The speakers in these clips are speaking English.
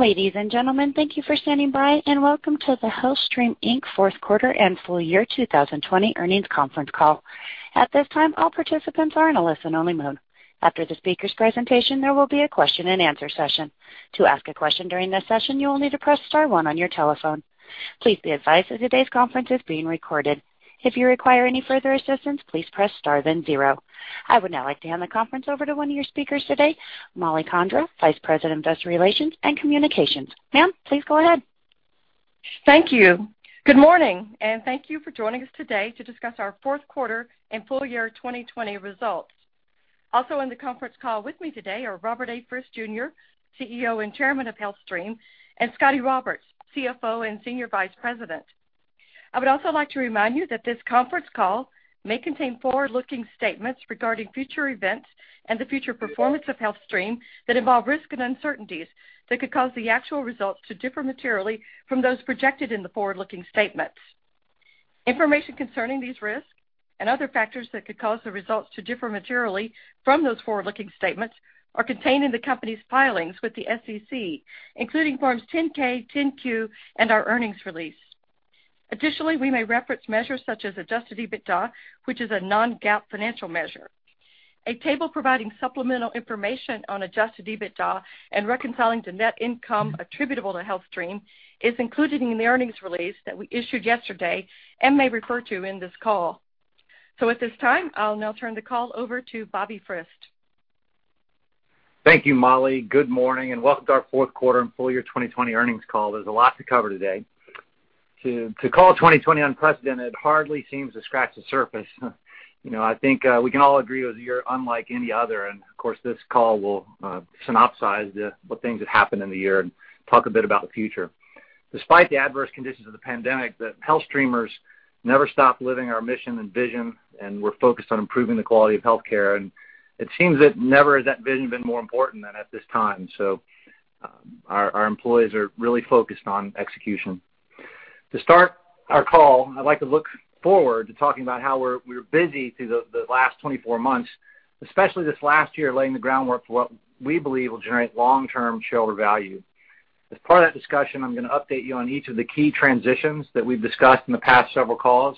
Ladies and gentlemen, thank you for standing by, and welcome to the HealthStream, Inc. fourth quarter and full year 2020 earnings conference call. At this time, all participants are in a listen-only mode. After the speaker's presentation, there will be a question and answer session. To ask a question during this session, you will need to press star one on your telephone. Please be advised that today's conference is being recorded. If you require any further assistance, please press star, then zero. I would now like to hand the conference over to one of your speakers today, Mollie Condra, Vice President of Investor Relations and Communications. Ma'am, please go ahead. Thank you. Good morning, and thank you for joining us today to discuss our fourth quarter and full year 2020 results. Also on the conference call with me today are Robert A. Frist Jr., CEO and Chairman of HealthStream, and Scotty Roberts, CFO and Senior Vice President. I would also like to remind you that this conference call may contain forward-looking statements regarding future events and the future performance of HealthStream that involve risks and uncertainties that could cause the actual results to differ materially from those projected in the forward-looking statements. Information concerning these risks and other factors that could cause the results to differ materially from those forward-looking statements are contained in the company's filings with the SEC, including forms 10-K, 10-Q, and our earnings release. Additionally, we may reference measures such as Adjusted EBITDA, which is a non-GAAP financial measure. A table providing supplemental information on Adjusted EBITDA and reconciling to net income attributable to HealthStream is included in the earnings release that we issued yesterday and may refer to in this call. At this time, I'll now turn the call over to Bobby Frist. Thank you, Mollie. Good morning, welcome to our fourth quarter and full year 2020 earnings call. There's a lot to cover today. To call 2020 unprecedented hardly seems to scratch the surface. I think we can all agree it was a year unlike any other, of course, this call will synopsize the things that happened in the year and talk a bit about the future. Despite the adverse conditions of the pandemic, the HealthStreamers never stopped living our mission and vision, we're focused on improving the quality of healthcare. It seems that never has that vision been more important than at this time, so our employees are really focused on execution. To start our call, I'd like to look forward to talking about how we were busy through the last 24 months, especially this last year, laying the groundwork for what we believe will generate long-term shareholder value. As part of that discussion, I'm going to update you on each of the key transitions that we've discussed in the past several calls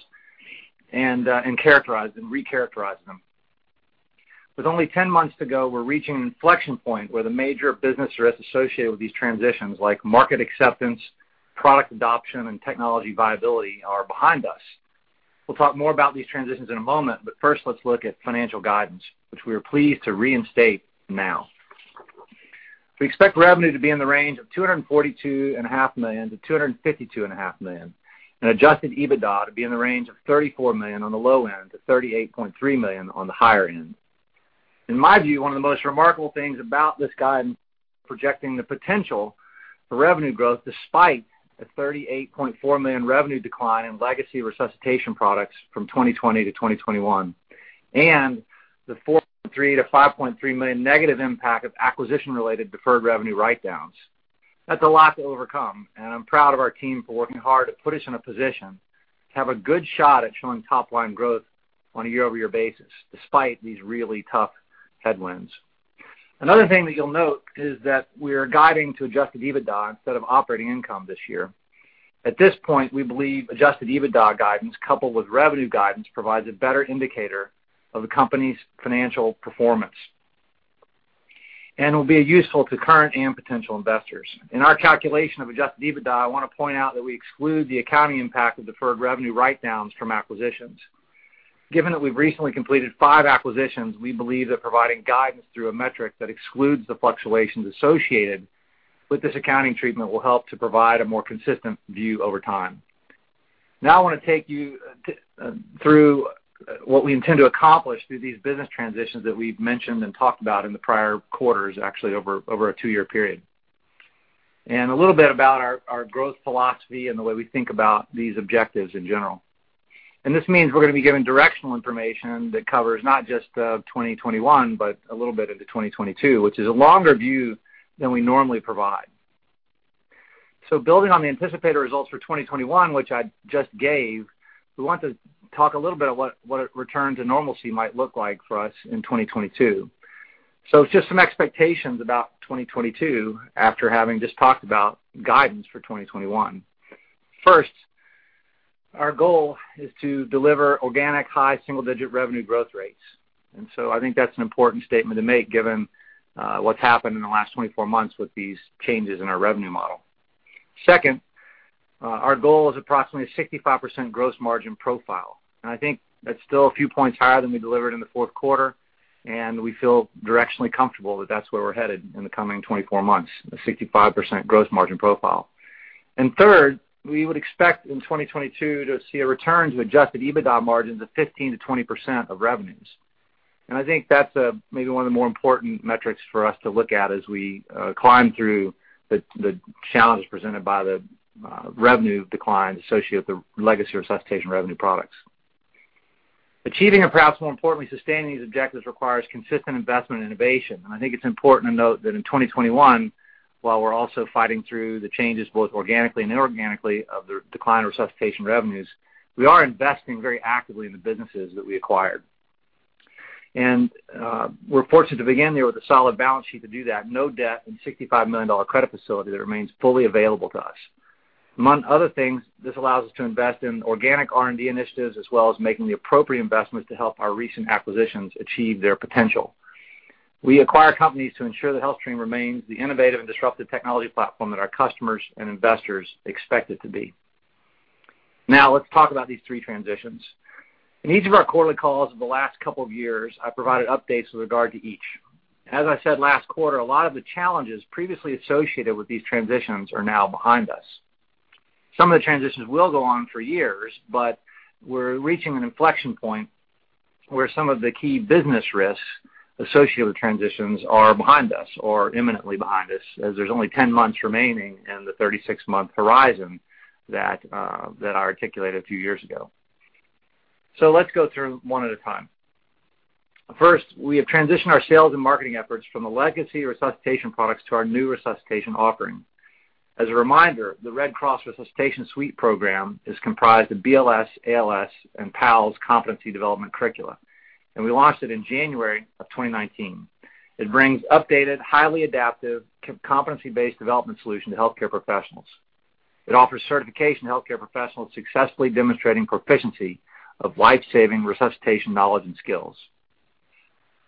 and recharacterize them. With only 10 months to go, we're reaching an inflection point where the major business risks associated with these transitions, like market acceptance, product adoption, and technology viability, are behind us. We'll talk more about these transitions in a moment, but first, let's look at financial guidance, which we are pleased to reinstate now. We expect revenue to be in the range of $242 and a half million to $252 and a half million. Adjusted EBITDA to be in the range of $34 million on the low end to $38.3 million on the higher end. In my view, one of the most remarkable things about this guidance, projecting the potential for revenue growth despite a $38.4 million revenue decline in legacy resuscitation products from 2020 to 2021, and the $4.3 million-$5.3 million negative impact of acquisition-related deferred revenue write-downs. That's a lot to overcome, and I'm proud of our team for working hard to put us in a position to have a good shot at showing top-line growth on a year-over-year basis, despite these really tough headwinds. Another thing that you'll note is that we're guiding to Adjusted EBITDA instead of operating income this year. At this point, we believe Adjusted EBITDA guidance, coupled with revenue guidance, provides a better indicator of the company's financial performance and will be useful to current and potential investors. In our calculation of Adjusted EBITDA, I want to point out that we exclude the accounting impact of deferred revenue write-downs from acquisitions. Given that we've recently completed five acquisitions, we believe that providing guidance through a metric that excludes the fluctuations associated with this accounting treatment will help to provide a more consistent view over time. Now I want to take you through what we intend to accomplish through these business transitions that we've mentioned and talked about in the prior quarters, actually over a two-year period, and a little bit about our growth philosophy and the way we think about these objectives in general. This means we're going to be giving directional information that covers not just 2021, but a little bit into 2022, which is a longer view than we normally provide. Building on the anticipated results for 2021, which I just gave, we want to talk a little bit of what a return to normalcy might look like for us in 2022. Just some expectations about 2022 after having just talked about guidance for 2021. First, our goal is to deliver organic high single-digit revenue growth rates, and so I think that's an important statement to make given what's happened in the last 24 months with these changes in our revenue model. Second, our goal is approximately a 65% gross margin profile, and I think that's still a few points higher than we delivered in the fourth quarter, and we feel directionally comfortable that that's where we're headed in the coming 24 months, a 65% gross margin profile. Third, we would expect in 2022 to see a return to Adjusted EBITDA margins of 15%-20% of revenues. I think that's maybe one of the more important metrics for us to look at as we climb through the challenges presented by the revenue declines associated with the legacy resuscitation revenue products. Achieving, and perhaps more importantly, sustaining these objectives requires consistent investment and innovation. I think it's important to note that in 2021, while we're also fighting through the changes both organically and inorganically of the decline of resuscitation revenues, we are investing very actively in the businesses that we acquired. We're fortunate to begin there with a solid balance sheet to do that, no debt, and $65 million credit facility that remains fully available to us. Among other things, this allows us to invest in organic R&D initiatives as well as making the appropriate investments to help our recent acquisitions achieve their potential. We acquire companies to ensure that HealthStream remains the innovative and disruptive technology platform that our customers and investors expect it to be. Now, let's talk about these three transitions. In each of our quarterly calls over the last couple of years, I provided updates with regard to each. As I said last quarter, a lot of the challenges previously associated with these transitions are now behind us. Some of the transitions will go on for years, but we're reaching an inflection point where some of the key business risks associated with transitions are behind us or imminently behind us, as there's only 10 months remaining in the 36-month horizon that I articulated a few years ago. Let's go through one at a time. First, we have transitioned our sales and marketing efforts from the legacy Resuscitation products to our new Resuscitation offering. As a reminder, the Red Cross Resuscitation Suite program is comprised of BLS, ALS, and PALS competency development curricula, and we launched it in January of 2019. It brings updated, highly adaptive, competency-based development solution to healthcare professionals. It offers certification to healthcare professionals successfully demonstrating proficiency of life-saving resuscitation knowledge and skills.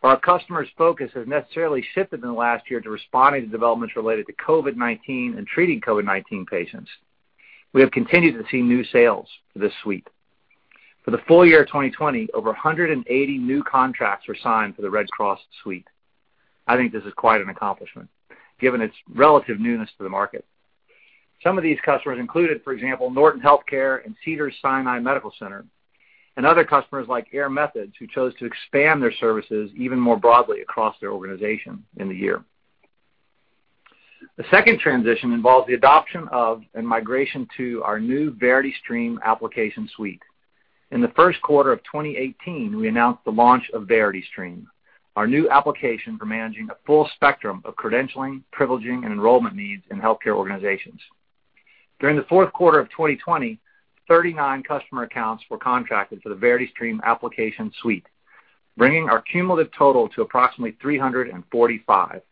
While our customer's focus has necessarily shifted in the last year to responding to developments related to COVID-19 and treating COVID-19 patients, we have continued to see new sales for this suite. For the full year of 2020, over 180 new contracts were signed for the Red Cross Suite. I think this is quite an accomplishment given its relative newness to the market. Some of these customers included, for example, Norton Healthcare and Cedars-Sinai Medical Center, and other customers like Air Methods, who chose to expand their services even more broadly across their organization in the year. The second transition involves the adoption of and migration to our new VerityStream application suite. In the first quarter of 2018, we announced the launch of VerityStream, our new application for managing a full spectrum of credentialing, privileging, and enrollment needs in healthcare organizations. During the fourth quarter of 2020, 39 customer accounts were contracted for the VerityStream application suite, bringing our cumulative total to approximately 345.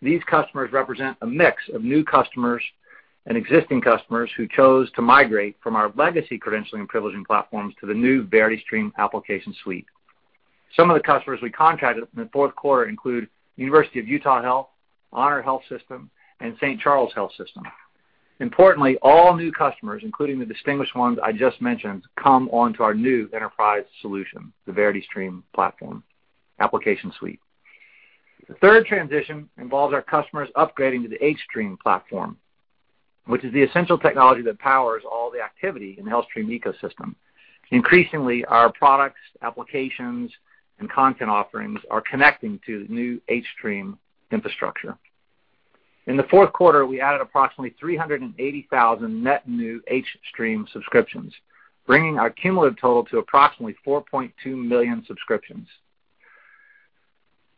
These customers represent a mix of new customers and existing customers who chose to migrate from our legacy credentialing and privileging platforms to the new VerityStream application suite. Some of the customers we contracted in the fourth quarter include University of Utah Health, HonorHealth System, and St. Charles Health System. Importantly, all new customers, including the distinguished ones I just mentioned, come onto our new enterprise solution, the VerityStream platform application suite. The third transition involves our customers upgrading to the hStream platform, which is the essential technology that powers all the activity in the HealthStream ecosystem. Increasingly, our products, applications, and content offerings are connecting to the new hStream infrastructure. In the fourth quarter, we added approximately 380,000 net new hStream subscriptions, bringing our cumulative total to approximately 4.2 million subscriptions.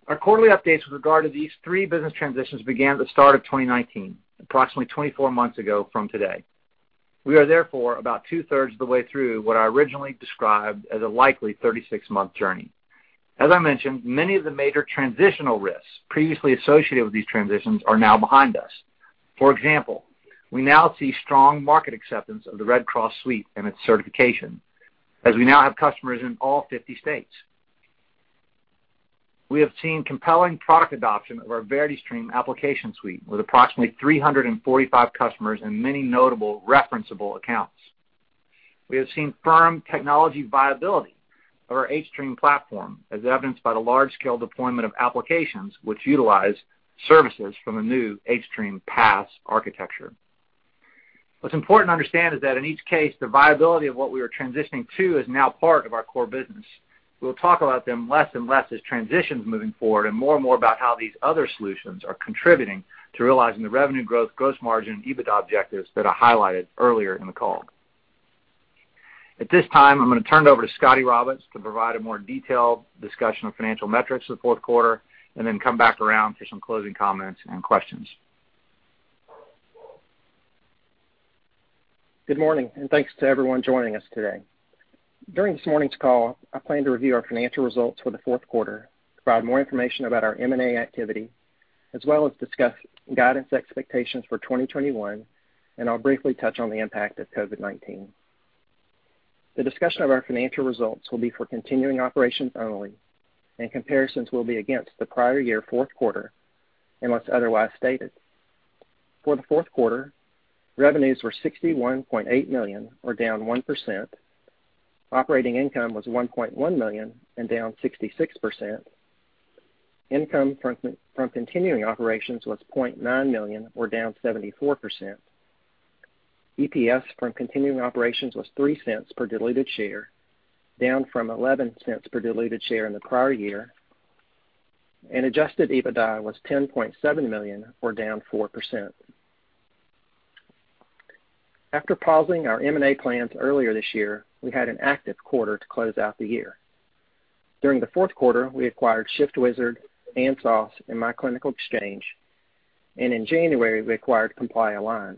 Our quarterly updates with regard to these three business transitions began at the start of 2019, approximately 24 months ago from today. We are therefore about two-thirds of the way through what I originally described as a likely 36-month journey. As I mentioned, many of the major transitional risks previously associated with these transitions are now behind us. For example, we now see strong market acceptance of the Red Cross Suite and its certification, as we now have customers in all 50 states. We have seen compelling product adoption of our VerityStream application suite, with approximately 345 customers and many notable referenceable accounts. We have seen firm technology viability of our hStream platform, as evidenced by the large-scale deployment of applications which utilize services from a new hStream PaaS architecture. What's important to understand is that in each case, the viability of what we are transitioning to is now part of our core business. We'll talk about them less and less as transitions moving forward and more and more about how these other solutions are contributing to realizing the revenue growth, gross margin, and EBITDA objectives that I highlighted earlier in the call. At this time, I'm going to turn it over to Scotty Roberts to provide a more detailed discussion of financial metrics for the fourth quarter, and then come back around for some closing comments and questions. Good morning. Thanks to everyone joining us today. During this morning's call, I plan to review our financial results for the fourth quarter, provide more information about our M&A activity, as well as discuss guidance expectations for 2021, and I'll briefly touch on the impact of COVID-19. The discussion of our financial results will be for continuing operations only, and comparisons will be against the prior year fourth quarter, unless otherwise stated. For the fourth quarter, revenues were $61.8 million, or down 1%. Operating income was $1.1 million and down 66%. Income from continuing operations was $0.9 million, or down 74%. EPS from continuing operations was $0.03 per diluted share, down from $0.11 per diluted share in the prior year. Adjusted EBITDA was $10.7 million, or down 4%. After pausing our M&A plans earlier this year, we had an active quarter to close out the year. During the fourth quarter, we acquired ShiftWizard, ANSOS, and myClinicalExchange. In January, we acquired ComplyALIGN.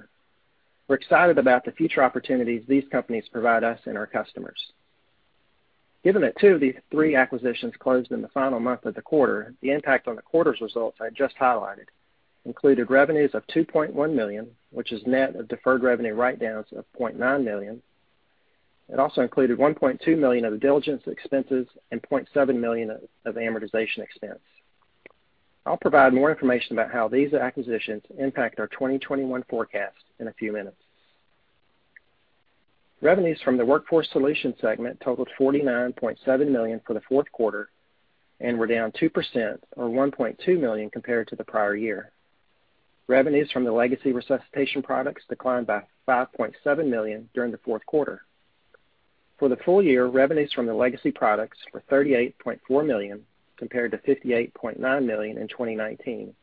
We're excited about the future opportunities these companies provide us and our customers. Given that two of these three acquisitions closed in the final month of the quarter, the impact on the quarter's results I just highlighted included revenues of $2.1 million, which is net of deferred revenue write-downs of $0.9 million. It also included $1.2 million of diligence expenses and $0.7 million of amortization expense. I'll provide more information about how these acquisitions impact our 2021 forecast in a few minutes. Revenues from the Workforce Solutions segment totaled $49.7 million for the fourth quarter, were down 2% or $1.2 million compared to the prior year. Revenues from the legacy resuscitation products declined by $5.7 million during the fourth quarter. For the full year, revenues from the legacy products were $38.4 million compared to $58.9 million in 2019,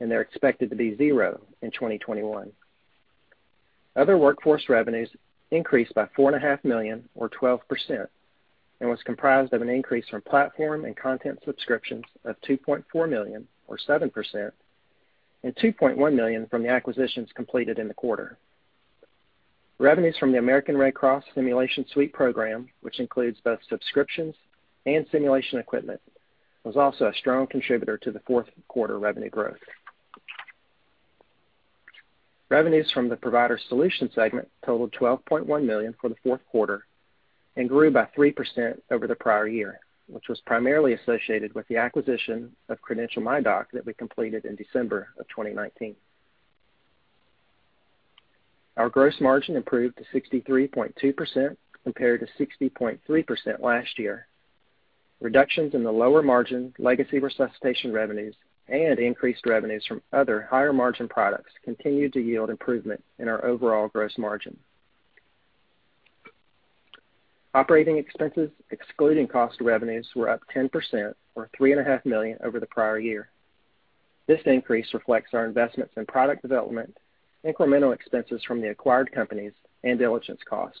and they're expected to be zero in 2021. Other Workforce revenues increased by $4.5 million or 12% and was comprised of an increase from platform and content subscriptions of $2.4 million or 7%, and $2.1 million from the acquisitions completed in the quarter. Revenues from the American Red Cross Resuscitation Suite program, which includes both subscriptions and simulation equipment, was also a strong contributor to the fourth quarter revenue growth. Revenues from the Provider Solutions segment totaled $12.1 million for the fourth quarter and grew by 3% over the prior year, which was primarily associated with the acquisition of CredentialMyDoc that we completed in December of 2019. Our gross margin improved to 63.2% compared to 60.3% last year. Reductions in the lower margin legacy resuscitation revenues and increased revenues from other higher margin products continued to yield improvement in our overall gross margin. Operating expenses, excluding cost of revenues, were up 10% or $3.5 million over the prior year. This increase reflects our investments in product development, incremental expenses from the acquired companies, and diligence costs.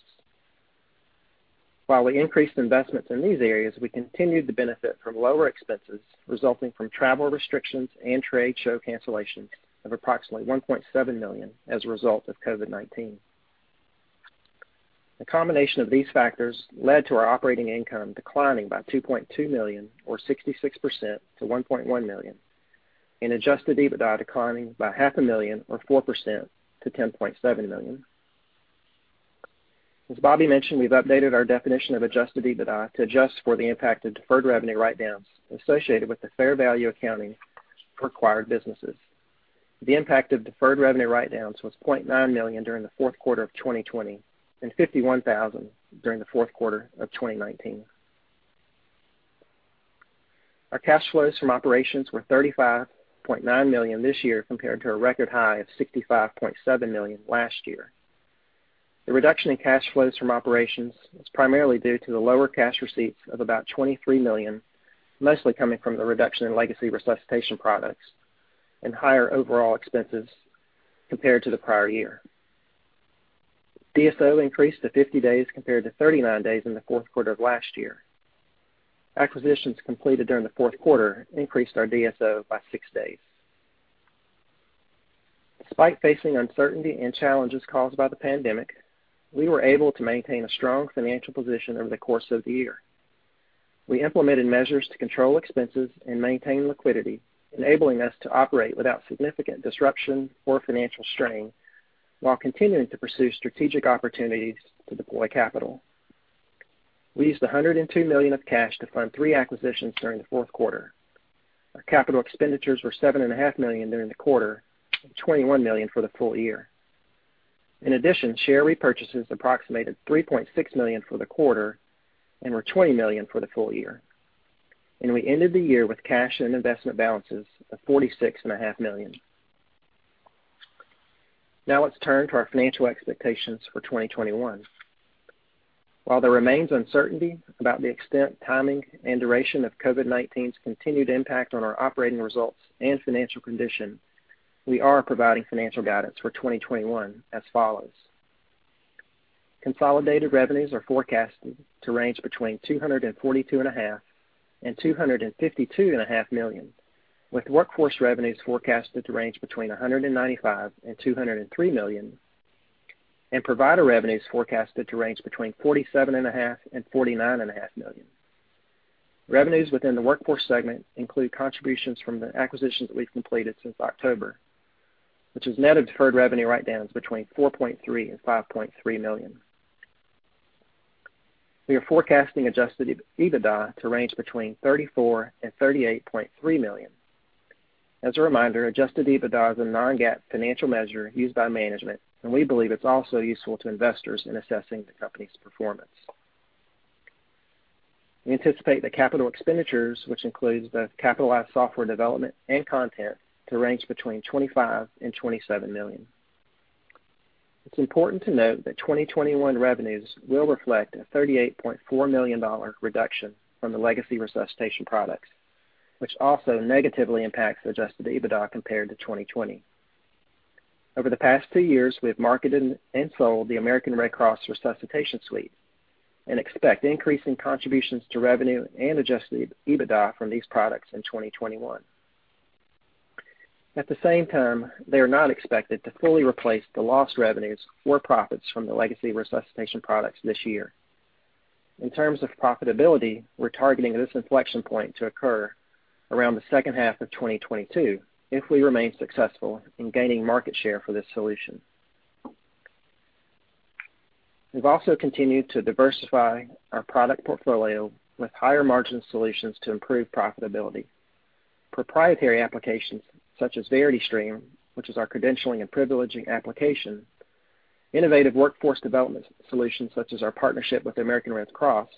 While we increased investments in these areas, we continued to benefit from lower expenses resulting from travel restrictions and trade show cancellations of approximately $1.7 million as a result of COVID-19. The combination of these factors led to our operating income declining by $2.2 million or 66% to $1.1 million, and adjusted EBITDA declining by half a million or 4% to $10.7 million. As Bobby mentioned, we've updated our definition of adjusted EBITDA to adjust for the impact of deferred revenue write-downs associated with the fair value accounting for acquired businesses. The impact of deferred revenue write-downs was $0.9 million during the fourth quarter of 2020 and $51,000 during the fourth quarter of 2019. Our cash flows from operations were $35.9 million this year compared to a record high of $65.7 million last year. The reduction in cash flows from operations is primarily due to the lower cash receipts of about $23 million, mostly coming from the reduction in legacy resuscitation products and higher overall expenses compared to the prior year. DSO increased to 50 days compared to 39 days in the fourth quarter of last year. Acquisitions completed during the fourth quarter increased our DSO by six days. Despite facing uncertainty and challenges caused by the pandemic, we were able to maintain a strong financial position over the course of the year. We implemented measures to control expenses and maintain liquidity, enabling us to operate without significant disruption or financial strain while continuing to pursue strategic opportunities to deploy capital. We used $102 million of cash to fund three acquisitions during the fourth quarter. Our capital expenditures were $7.5 million during the quarter and $21 million for the full year. In addition, share repurchases approximated $3.6 million for the quarter and were $20 million for the full year. We ended the year with cash and investment balances of $46.5 million. Now let's turn to our financial expectations for 2021. While there remains uncertainty about the extent, timing, and duration of COVID-19's continued impact on our operating results and financial condition, we are providing financial guidance for 2021 as follows. Consolidated revenues are forecasted to range between $242.5 million and $252.5 million, with Workforce revenues forecasted to range between $195 million and $203 million, and Provider revenues forecasted to range between $47.5 million and $49.5 million. Revenues within the Workforce segment include contributions from the acquisitions that we've completed since October, which is net of deferred revenue write-downs between $4.3 million and $5.3 million. We are forecasting Adjusted EBITDA to range between $34 million and $38.3 million. As a reminder, Adjusted EBITDA is a non-GAAP financial measure used by management, and we believe it's also useful to investors in assessing the company's performance. We anticipate that capital expenditures, which includes both capitalized software development and content, to range between $25 million and $27 million. It's important to note that 2021 revenues will reflect a $38.4 million reduction from the legacy resuscitation products, which also negatively impacts Adjusted EBITDA compared to 2020. Over the past two years, we have marketed and sold the American Red Cross Resuscitation Suite and expect increasing contributions to revenue and Adjusted EBITDA from these products in 2021. At the same time, they are not expected to fully replace the lost revenues or profits from the legacy resuscitation products this year. In terms of profitability, we're targeting this inflection point to occur around the second half of 2022, if we remain successful in gaining market share for this solution. We've also continued to diversify our product portfolio with higher margin solutions to improve profitability. Proprietary applications such as VerityStream, which is our credentialing and privileging application, innovative workforce development solutions such as our partnership with the American Red Cross,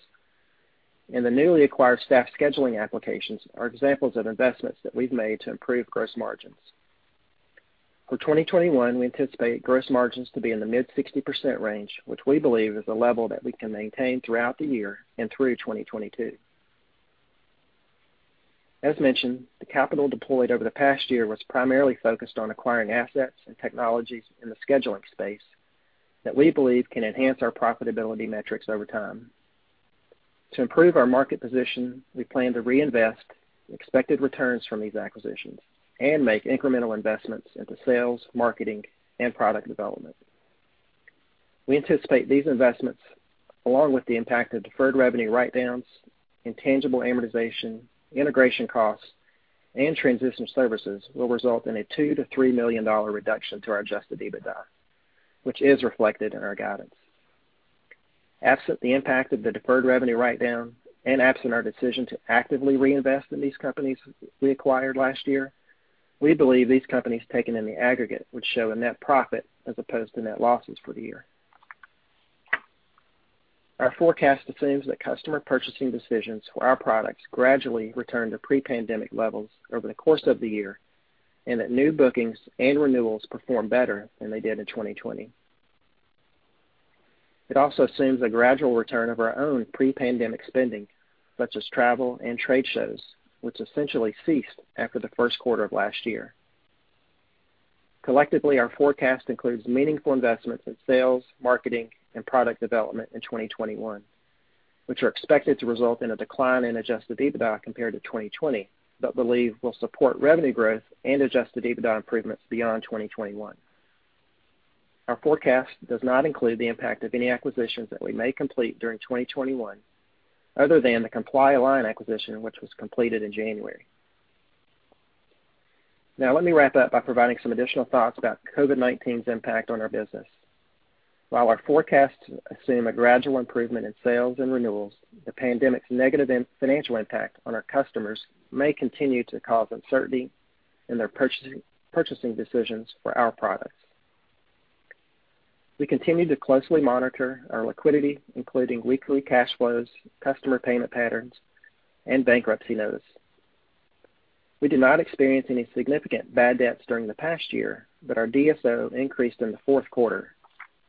and the newly acquired staff scheduling applications are examples of investments that we've made to improve gross margins. For 2021, we anticipate gross margins to be in the mid 60% range, which we believe is a level that we can maintain throughout the year and through 2022. As mentioned, the capital deployed over the past year was primarily focused on acquiring assets and technologies in the scheduling space that we believe can enhance our profitability metrics over time. To improve our market position, we plan to reinvest expected returns from these acquisitions and make incremental investments into sales, marketing, and product development. We anticipate these investments, along with the impact of deferred revenue write-downs, intangible amortization, integration costs, and transition services will result in a $2 million-$3 million reduction to our Adjusted EBITDA, which is reflected in our guidance. Absent the impact of the deferred revenue write-down and absent our decision to actively reinvest in these companies we acquired last year, we believe these companies taken in the aggregate would show a net profit as opposed to net losses for the year. Our forecast assumes that customer purchasing decisions for our products gradually return to pre-pandemic levels over the course of the year, and that new bookings and renewals perform better than they did in 2020. It also assumes a gradual return of our own pre-pandemic spending, such as travel and trade shows, which essentially ceased after the first quarter of last year. Collectively, our forecast includes meaningful investments in sales, marketing, and product development in 2021, which are expected to result in a decline in Adjusted EBITDA compared to 2020, but believe will support revenue growth and Adjusted EBITDA improvements beyond 2021. Our forecast does not include the impact of any acquisitions that we may complete during 2021, other than the ComplyALIGN acquisition, which was completed in January. Let me wrap up by providing some additional thoughts about COVID-19's impact on our business. While our forecasts assume a gradual improvement in sales and renewals, the pandemic's negative financial impact on our customers may continue to cause uncertainty in their purchasing decisions for our products. We continue to closely monitor our liquidity, including weekly cash flows, customer payment patterns, and bankruptcy notice. We did not experience any significant bad debts during the past year, but our DSO increased in the fourth quarter,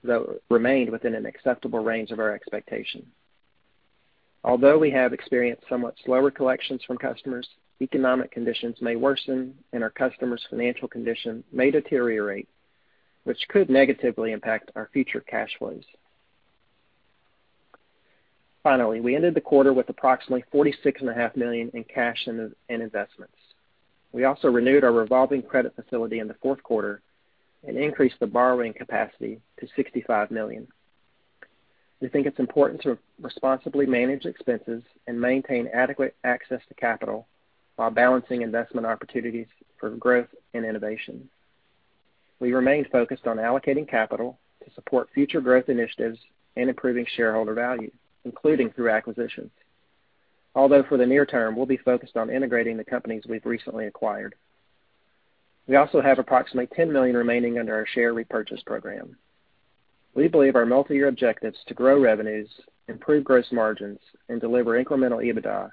though remained within an acceptable range of our expectation. Although we have experienced somewhat slower collections from customers, economic conditions may worsen and our customers' financial condition may deteriorate, which could negatively impact our future cash flows. Finally, we ended the quarter with approximately $46.5 million in cash and investments. We also renewed our revolving credit facility in the fourth quarter and increased the borrowing capacity to $65 million. We think it's important to responsibly manage expenses and maintain adequate access to capital while balancing investment opportunities for growth and innovation. We remain focused on allocating capital to support future growth initiatives and improving shareholder value, including through acquisitions. Although for the near term, we'll be focused on integrating the companies we've recently acquired. We also have approximately $10 million remaining under our share repurchase program. We believe our multi-year objectives to grow revenues, improve gross margins, and deliver incremental EBITDA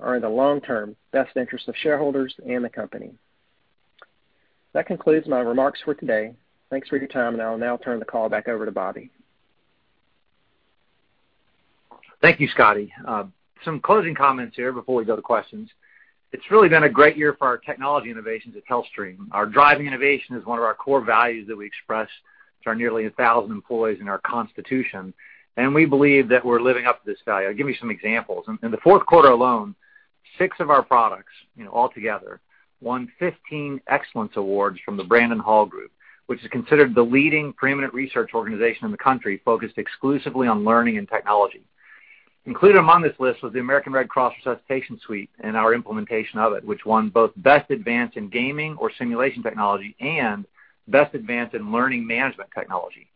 are in the long term best interest of shareholders and the company. That concludes my remarks for today. Thanks for your time, and I will now turn the call back over to Bobby. Thank you, Scotty. Some closing comments here before we go to questions. It's really been a great year for our technology innovations at HealthStream. Our driving innovation is one of our core values that we express to our nearly 1,000 employees in our constitution, and we believe that we're living up to this value. I'll give you some examples. In the fourth quarter alone, six of our products altogether won 15 Excellence Awards from the Brandon Hall Group, which is considered the leading preeminent research organization in the country focused exclusively on learning and technology. Included among this list was the American Red Cross Resuscitation Suite and our implementation of it, which won both Best Advance in Gaming or Simulation Technology and Best Advance in Learning Management Technology.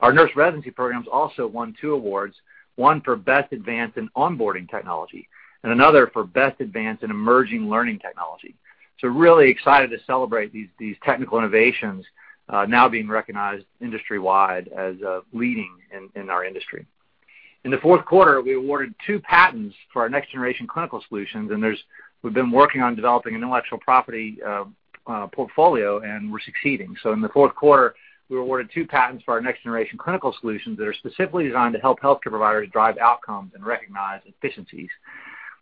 Our nurse residency programs also won two awards, one for Best Advance in Onboarding Technology, and another for Best Advance in Emerging Learning Technology. Really excited to celebrate these technical innovations now being recognized industry-wide as leading in our industry. In the fourth quarter, we awarded two patents for our next generation clinical solutions, and we've been working on developing intellectual property portfolio, and we're succeeding. In the fourth quarter, we were awarded two patents for our next generation clinical solutions that are specifically designed to help healthcare providers drive outcomes and recognize efficiencies.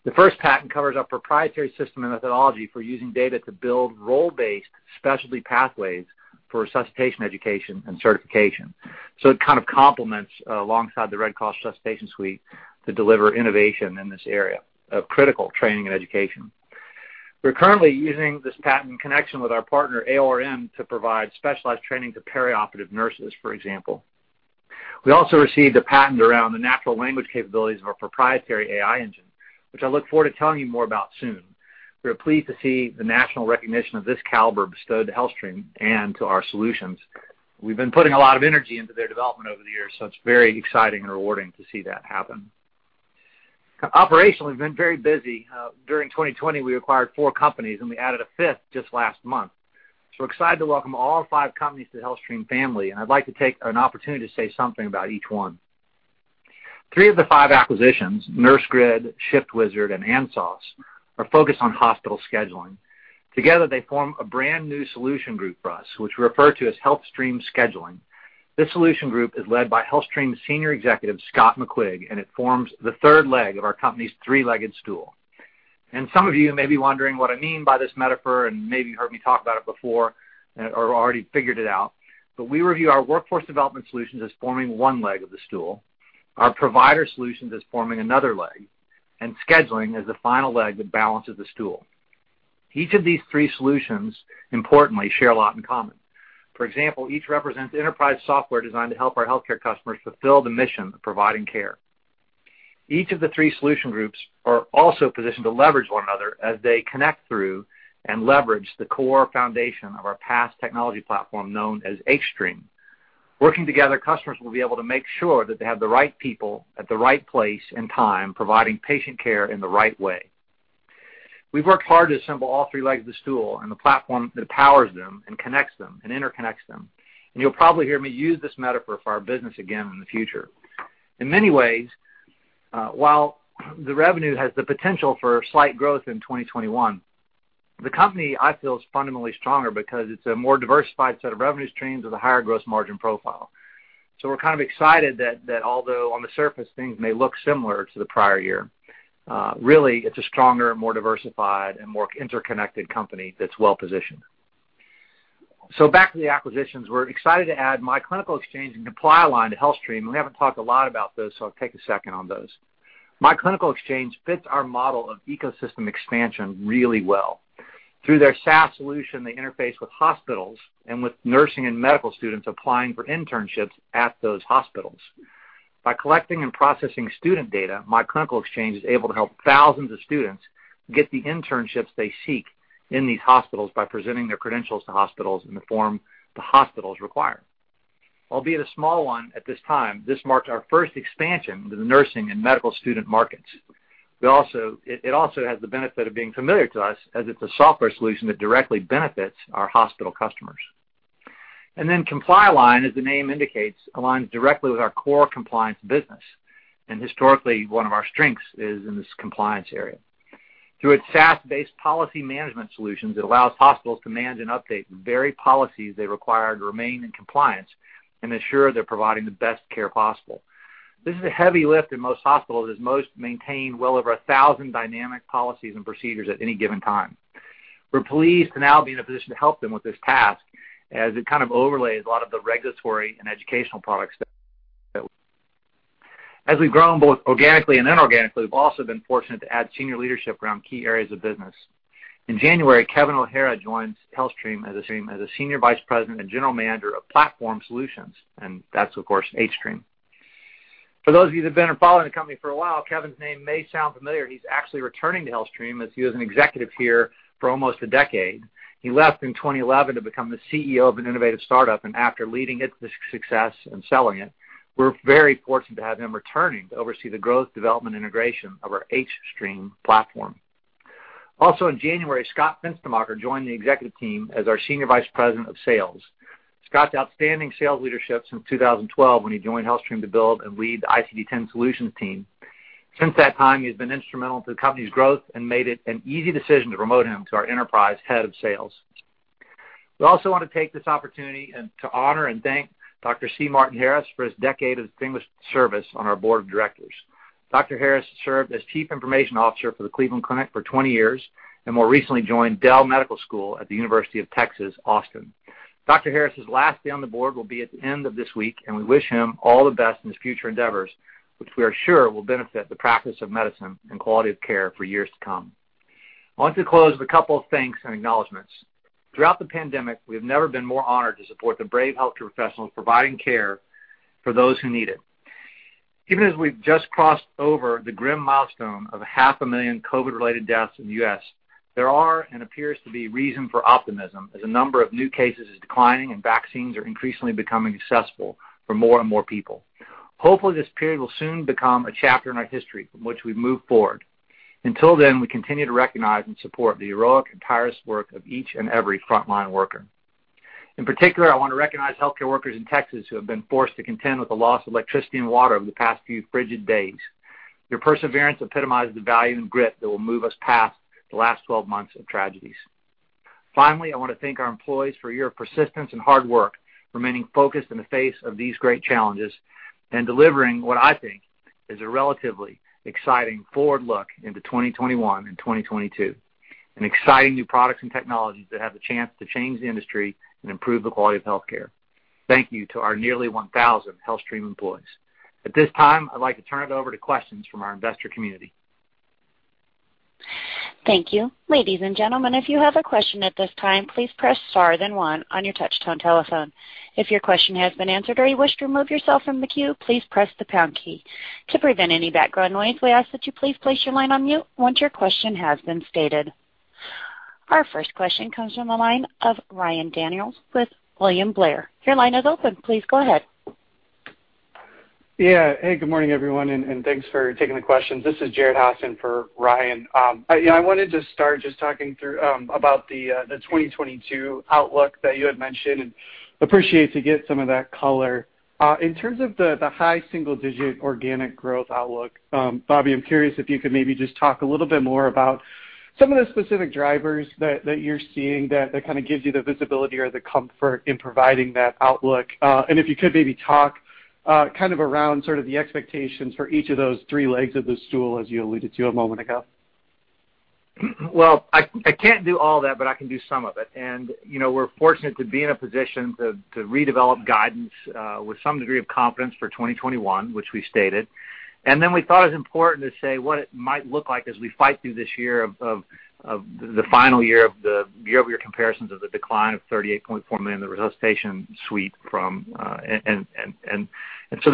The first patent covers our proprietary system and methodology for using data to build role-based specialty pathways for resuscitation education and certification. It kind of complements alongside the Red Cross Resuscitation Suite to deliver innovation in this area of critical training and education. We're currently using this patent in connection with our partner, AORN, to provide specialized training to perioperative nurses, for example. We also received a patent around the natural language capabilities of our proprietary AI engine, which I look forward to telling you more about soon. We are pleased to see the national recognition of this caliber bestowed to HealthStream and to our solutions. We've been putting a lot of energy into their development over the years, so it's very exciting and rewarding to see that happen. Operationally, we've been very busy. During 2020, we acquired four companies, and we added a fifth just last month. We're excited to welcome all five companies to the HealthStream family, and I'd like to take an opportunity to say something about each one. Three of the five acquisitions, Nursegrid, ShiftWizard, and ANSOS, are focused on hospital scheduling. Together, they form a brand-new solution group for us, which we refer to as HealthStream Scheduling. This solution group is led by HealthStream senior executive Scott McQuigg, it forms the third leg of our company's three-legged stool. Some of you may be wondering what I mean by this metaphor and maybe heard me talk about it before or already figured it out. We review our Workforce Solutions as forming one leg of the stool, our Provider Solutions as forming another leg, and scheduling as the final leg that balances the stool. Each of these three solutions, importantly, share a lot in common. For example, each represents enterprise software designed to help our healthcare customers fulfill the mission of providing care. Each of the three solution groups are also positioned to leverage one another as they connect through and leverage the core foundation of our PaaS technology platform known as hStream. Working together, customers will be able to make sure that they have the right people at the right place and time providing patient care in the right way. We've worked hard to assemble all three legs of the stool and the platform that powers them and connects them and interconnects them, and you'll probably hear me use this metaphor for our business again in the future. In many ways, while the revenue has the potential for slight growth in 2021, the company, I feel, is fundamentally stronger because it's a more diversified set of revenue streams with a higher gross margin profile. We're kind of excited that although on the surface things may look similar to the prior year, really, it's a stronger, more diversified, and more interconnected company that's well-positioned. Back to the acquisitions. We're excited to add myClinicalExchange and ComplyALIGN to HealthStream. We haven't talked a lot about those, so I'll take a second on those. myClinicalExchange fits our model of ecosystem expansion really well. Through their SaaS solution, they interface with hospitals and with nursing and medical students applying for internships at those hospitals. By collecting and processing student data, myClinicalExchange is able to help thousands of students get the internships they seek in these hospitals by presenting their credentials to hospitals in the form the hospitals require. Albeit a small one at this time, this marks our first expansion into the nursing and medical student markets. It also has the benefit of being familiar to us as it's a software solution that directly benefits our hospital customers. ComplyALIGN, as the name indicates, aligns directly with our core compliance business, and historically, one of our strengths is in this compliance area. Through its SaaS-based policy management solutions, it allows hospitals to manage and update the very policies they require to remain in compliance and ensure they're providing the best care possible. This is a heavy lift in most hospitals, as most maintain well over 1,000 dynamic policies and procedures at any given time. We're pleased to now be in a position to help them with this task as it kind of overlays a lot of the regulatory and educational products that we offer. As we've grown both organically and inorganically, we've also been fortunate to add senior leadership around key areas of business. In January, Kevin O'Hara joined HealthStream as a Senior Vice President and General Manager of Platform Solutions. That's, of course, hStream. For those of you who have been following the company for a while, Kevin's name may sound familiar. He's actually returning to HealthStream as he was an executive here for almost a decade. He left in 2011 to become the CEO of an innovative startup. After leading it to success and selling it, we're very fortunate to have him returning to oversee the growth, development, and integration of our hStream platform. Also in January, Scott Fenstermacher joined the executive team as our Senior Vice President of Sales. Scott's outstanding sales leadership since 2012 when he joined HealthStream to build and lead the ICD-10 solutions team. Since that time, he has been instrumental to the company's growth and made it an easy decision to promote him to our enterprise head of sales. We also want to take this opportunity to honor and thank Dr. C. Martin Harris for his decade of distinguished service on our board of directors. Dr. Harris served as Chief Information Officer for the Cleveland Clinic for 20 years and more recently joined Dell Medical School at the University of Texas Austin. Dr. Harris' last day on the board will be at the end of this week, and we wish him all the best in his future endeavors, which we are sure will benefit the practice of medicine and quality of care for years to come. I want to close with a couple of thanks and acknowledgments. Throughout the pandemic, we've never been more honored to support the brave healthcare professionals providing care for those who need it. Even as we've just crossed over the grim milestone of half a million COVID-related deaths in the U.S., there are and appears to be reason for optimism as the number of new cases is declining and vaccines are increasingly becoming accessible for more and more people. Hopefully, this period will soon become a chapter in our history from which we move forward. Until then, we continue to recognize and support the heroic and tireless work of each and every frontline worker. In particular, I want to recognize healthcare workers in Texas who have been forced to contend with the loss of electricity and water over the past few frigid days. Your perseverance epitomizes the value and grit that will move us past the last 12 months of tragedies. I want to thank our employees for your persistence and hard work, remaining focused in the face of these great challenges and delivering what I think is a relatively exciting forward look into 2021 and 2022, and exciting new products and technologies that have the chance to change the industry and improve the quality of healthcare. Thank you to our nearly 1,000 HealthStream employees. At this time, I'd like to turn it over to questions from our investor community. Thank you. Our first question comes from the line of Ryan Daniels with William Blair. Your line is open. Please go ahead. Yeah. Hey, good morning, everyone, and thanks for taking the questions. This is Jared Haase for Ryan. I wanted to start just talking through about the 2022 outlook that you had mentioned, and appreciate to get some of that color. In terms of the high single-digit organic growth outlook, Bobby, I'm curious if you could maybe just talk a little bit more about some of the specific drivers that you're seeing that kind of gives you the visibility or the comfort in providing that outlook. If you could maybe talk kind of around sort of the expectations for each of those three legs of the stool, as you alluded to a moment ago. Well, I can't do all that, but I can do some of it. We're fortunate to be in a position to redevelop guidance with some degree of confidence for 2021, which we stated. We thought it was important to say what it might look like as we fight through this year of the final year of the year-over-year comparisons of the decline of $38.4 million in the Resuscitation Suite. There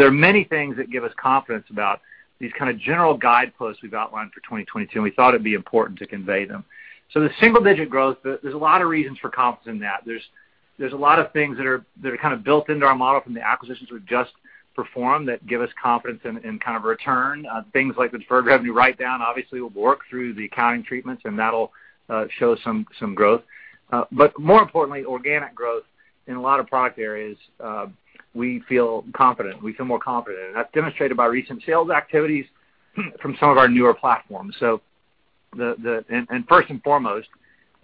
are many things that give us confidence about these kind of general guideposts we've outlined for 2022, and we thought it'd be important to convey them. The single-digit growth, there's a lot of reasons for confidence in that. There's a lot of things that are kind of built into our model from the acquisitions we've just performed that give us confidence in kind of return. Things like the deferred revenue write-down obviously will work through the accounting treatments, and that'll show some growth. More importantly, organic growth in a lot of product areas, we feel confident. We feel more confident, and that's demonstrated by recent sales activities from some of our newer platforms. First and foremost,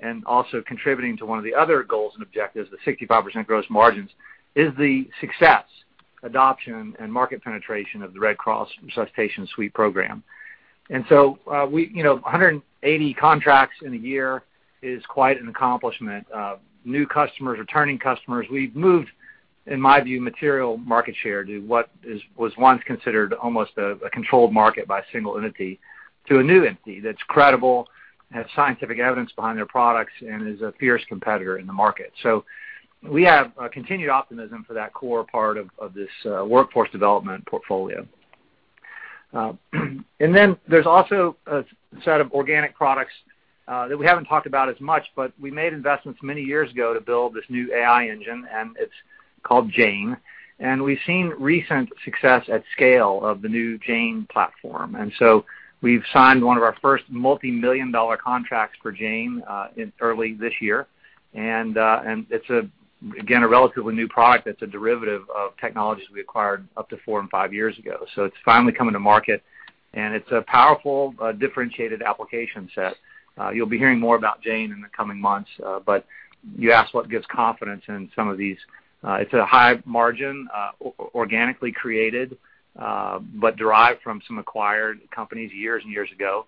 and also contributing to one of the other goals and objectives, the 65% gross margins, is the success, adoption, and market penetration of the Red Cross Resuscitation Suite program. 180 contracts in a year is quite an accomplishment of new customers, returning customers. We've moved, in my view, material market share to what was once considered almost a controlled market by a single entity to a new entity that's credible, has scientific evidence behind their products, and is a fierce competitor in the market. We have a continued optimism for that core part of this workforce development portfolio. Then there's also a set of organic products that we haven't talked about as much, but we made investments many years ago to build this new AI engine, and it's called Jane. We've seen recent success at scale of the new Jane platform. We've signed one of our first multi-million dollar contracts for Jane early this year, and it's, again, a relatively new product that's a derivative of technologies we acquired up to four and five years ago. It's finally coming to market, and it's a powerful, differentiated application set. You'll be hearing more about Jane in the coming months, but you asked what gives confidence in some of these. It's a high margin, organically created, but derived from some acquired companies years and years ago,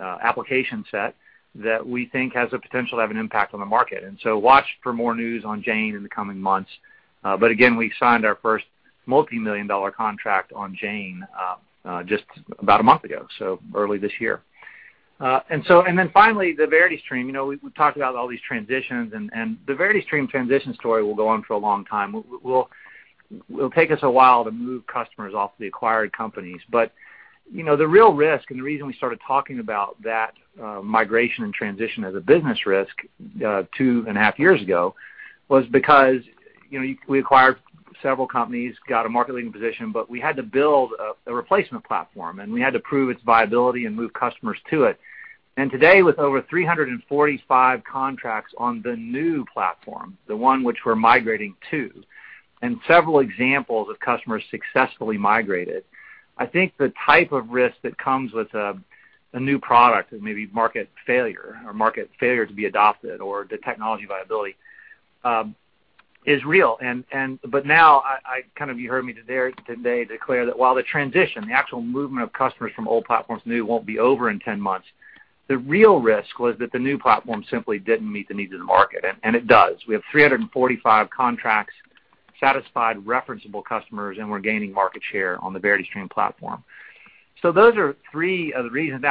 application set that we think has the potential to have an impact on the market. Watch for more news on Jane in the coming months. We signed our first multi-million dollar contract on Jane just about a month ago, so early this year. The VerityStream. We've talked about all these transitions, the VerityStream transition story will go on for a long time. It'll take us a while to move customers off the acquired companies. The real risk and the reason we started talking about that migration and transition as a business risk two and a half years ago was because we acquired several companies, got a market-leading position, but we had to build a replacement platform, and we had to prove its viability and move customers to it. Today, with over 345 contracts on the new platform, the one which we're migrating to, and several examples of customers successfully migrated, I think the type of risk that comes with a new product and maybe market failure or market failure to be adopted or the technology viability is real. You heard me today declare that while the transition, the actual movement of customers from old platforms to new won't be over in 10 months, the real risk was that the new platform simply didn't meet the needs of the market, and it does. We have 345 contracts, satisfied referenceable customers, and we're gaining market share on the VerityStream platform. Those are three of the reasons.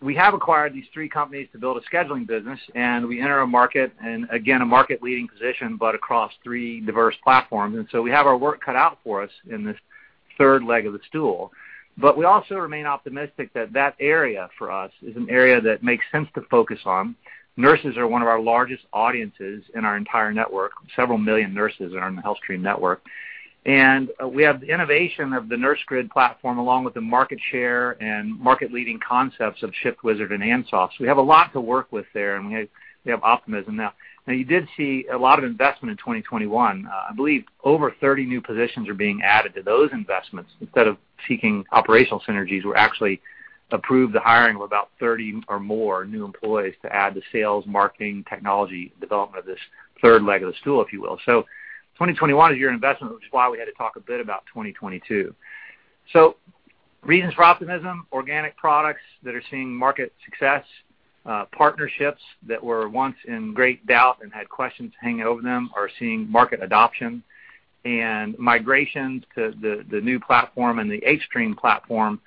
We have acquired these three companies to build a scheduling business, and we enter a market and again, a market-leading position, but across three diverse platforms. We have our work cut out for us in this third leg of the stool. We also remain optimistic that that area for us is an area that makes sense to focus on. Nurses are one of our largest audiences in our entire network. Several million nurses are in the HealthStream network. We have the innovation of the Nursegrid platform, along with the market share and market-leading concepts of ShiftWizard and ANSOS. We have a lot to work with there, and we have optimism. You did see a lot of investment in 2021. I believe over 30 new positions are being added to those investments. Instead of seeking operational synergies, we actually approved the hiring of about 30 or more new employees to add to sales, marketing, technology, development of this third leg of the stool, if you will. 2021 is a year of investment, which is why we had to talk a bit about 2022. Reasons for optimism, organic products that are seeing market success, partnerships that were once in great doubt and had questions hanging over them are seeing market adoption, and migrations to the new platform and the hStream platform.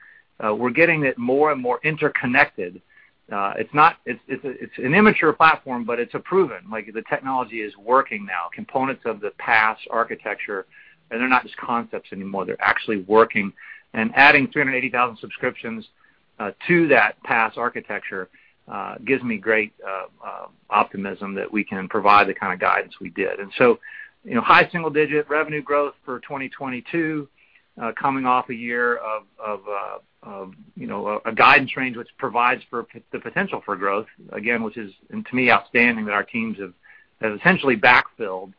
We're getting it more and more interconnected. It's an immature platform, but it's proven. The technology is working now. Components of the PaaS architecture, and they're not just concepts anymore. They're actually working. Adding 380,000 subscriptions to that PaaS architecture gives me great optimism that we can provide the kind of guidance we did. High single-digit revenue growth for 2022, coming off a year of a guidance range which provides for the potential for growth, again, which is, to me, outstanding that our teams have essentially backfilled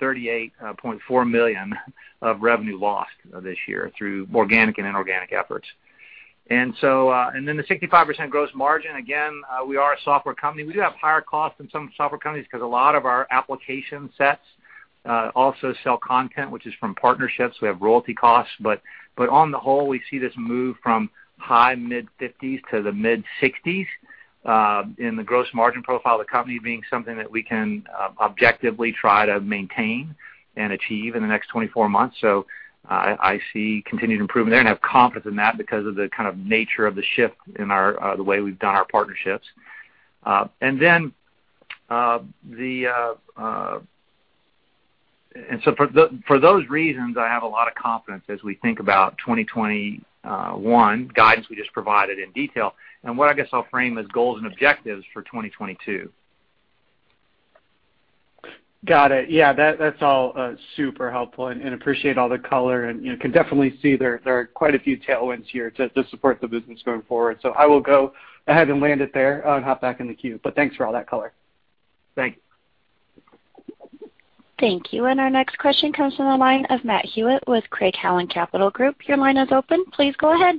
$38.4 million of revenue lost this year through organic and inorganic efforts. The 65% gross margin, again, we are a software company. We do have higher costs than some software companies because a lot of our application sets also sell content, which is from partnerships. We have royalty costs. On the whole, we see this move from high mid-50s to the mid-60s in the gross margin profile of the company being something that we can objectively try to maintain and achieve in the next 24 months. I see continued improvement there and have confidence in that because of the kind of nature of the shift in the way we've done our partnerships. For those reasons, I have a lot of confidence as we think about 2021 guidance we just provided in detail and what I guess I'll frame as goals and objectives for 2022. Got it. Yeah, that's all super helpful, and appreciate all the color and can definitely see there are quite a few tailwinds here to support the business going forward. I will go ahead and land it there and hop back in the queue. Thanks for all that color. Thanks. Thank you. Our next question comes from the line of Matthew Hewitt with Craig-Hallum Capital Group. Your line is open. Please go ahead.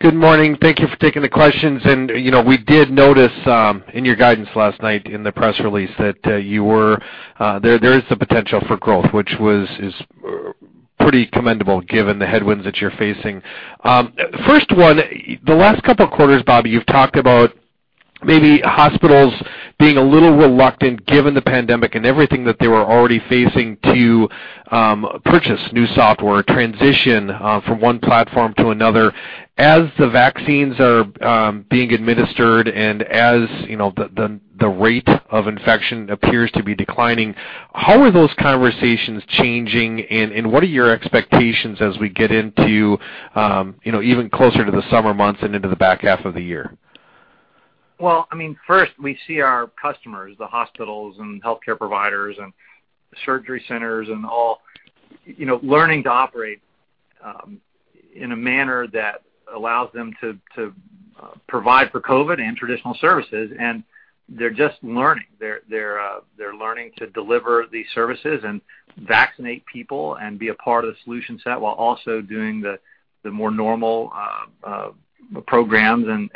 Good morning. Thank you for taking the questions. We did notice in your guidance last night in the press release that there is the potential for growth, which is pretty commendable given the headwinds that you're facing. First one, the last couple of quarters, Bobby, you've talked about maybe hospitals being a little reluctant given the pandemic and everything that they were already facing to purchase new software or transition from one platform to another. As the vaccines are being administered and as the rate of infection appears to be declining, how are those conversations changing, and what are your expectations as we get into even closer to the summer months and into the back half of the year? First we see our customers, the hospitals and healthcare providers and surgery centers and all, learning to operate in a manner that allows them to provide for COVID and traditional services. They're just learning. They're learning to deliver these services and vaccinate people and be a part of the solution set while also doing the more normal programs and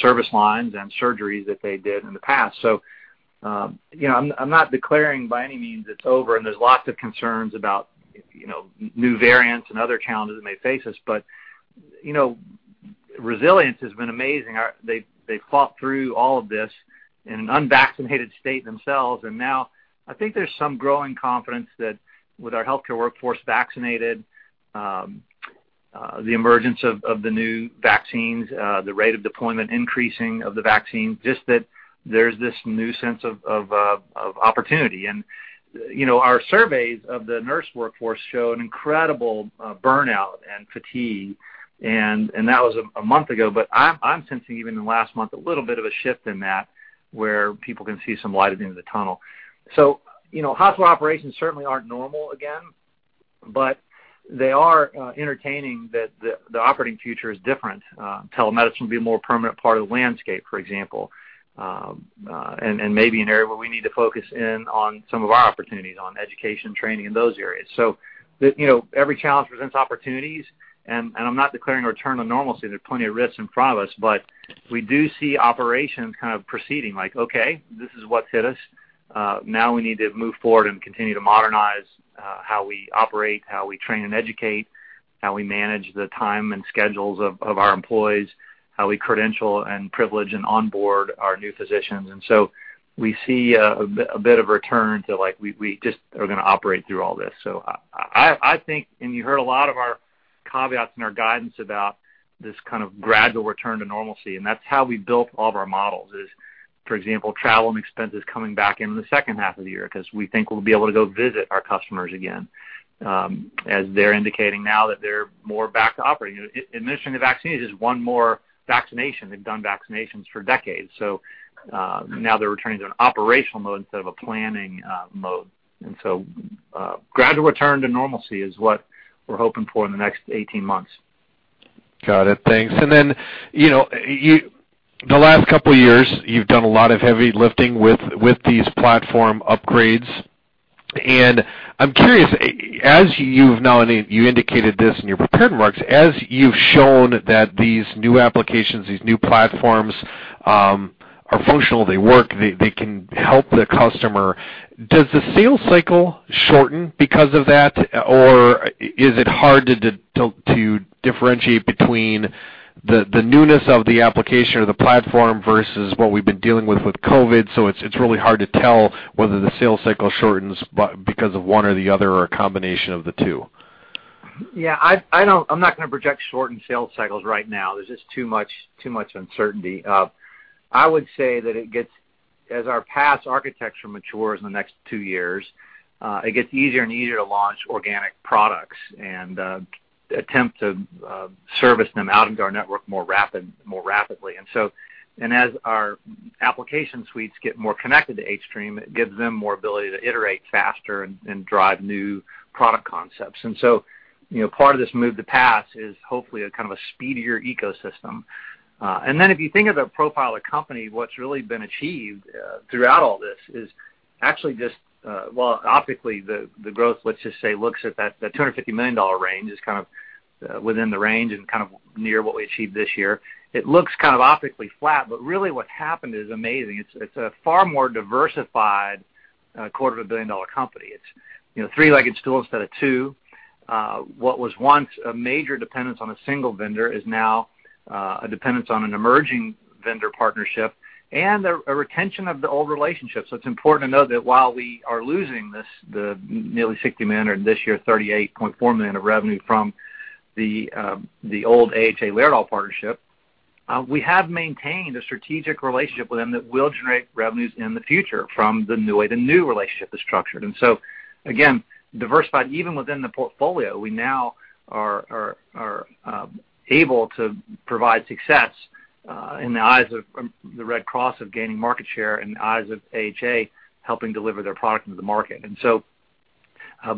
service lines and surgeries that they did in the past. I'm not declaring by any means it's over, and there's lots of concerns about new variants and other challenges that may face us. Resilience has been amazing. They fought through all of this in an unvaccinated state themselves. Now I think there's some growing confidence that with our healthcare workforce vaccinated, the emergence of the new vaccines, the rate of deployment increasing of the vaccine, just that there's this new sense of opportunity. Our surveys of the nurse workforce show an incredible burnout and fatigue, and that was a month ago. I'm sensing even in the last month, a little bit of a shift in that where people can see some light at the end of the tunnel. Hospital operations certainly aren't normal again, but they are entertaining that the operating future is different. Telemedicine will be a more permanent part of the landscape, for example, and maybe an area where we need to focus in on some of our opportunities on education training in those areas. Every challenge presents opportunities, and I'm not declaring a return to normalcy. There's plenty of risks in front of us, but we do see operations kind of proceeding like, "Okay, this is what hit us. Now we need to move forward and continue to modernize how we operate, how we train and educate, how we manage the time and schedules of our employees, how we credential and privilege and onboard our new physicians. We see a bit of a return to like we just are going to operate through all this. I think, and you heard a lot of our caveats and our guidance about this kind of gradual return to normalcy, and that's how we built all of our models is, for example, travel and expenses coming back in the second half of the year because we think we'll be able to go visit our customers again as they're indicating now that they're more back to operating. Administration of vaccines is one more vaccination. They've done vaccinations for decades. Now they're returning to an operational mode instead of a planning mode. Gradual return to normalcy is what we're hoping for in the next 18 months. Got it. Thanks. The last couple of years, you've done a lot of heavy lifting with these platform upgrades. I'm curious, you indicated this in your prepared remarks, as you've shown that these new applications, these new platforms are functional, they work, they can help the customer. Does the sales cycle shorten because of that? Is it hard to differentiate between the newness of the application or the platform versus what we've been dealing with COVID-19, so it's really hard to tell whether the sales cycle shortens because of one or the other, or a combination of the two? Yeah. I'm not going to project shortened sales cycles right now. There's just too much uncertainty. I would say that as our PaaS architecture matures in the next two years, it gets easier and easier to launch organic products and attempt to service them out into our network more rapidly. As our application suites get more connected to hStream, it gives them more ability to iterate faster and drive new product concepts. So, part of this move to PaaS is hopefully a kind of a speedier ecosystem. Then if you think of the profile of company, what's really been achieved throughout all this is actually well, optically, the growth, let's just say, looks at that $250 million range is kind of within the range and kind of near what we achieved this year. It looks kind of optically flat, but really what happened is amazing. It's a far more diversified quarter of a billion-dollar company. It's three-legged stool instead of two. What was once a major dependence on a single vendor is now a dependence on an emerging vendor partnership and a retention of the old relationship. It's important to note that while we are losing the nearly $60 million, or this year, $38.4 million of revenue from the old AHA Laerdal partnership, we have maintained a strategic relationship with them that will generate revenues in the future from the way the new relationship is structured. Again, diversified even within the portfolio. We now are able to provide success in the eyes of the Red Cross of gaining market share and the eyes of AHA helping deliver their product into the market,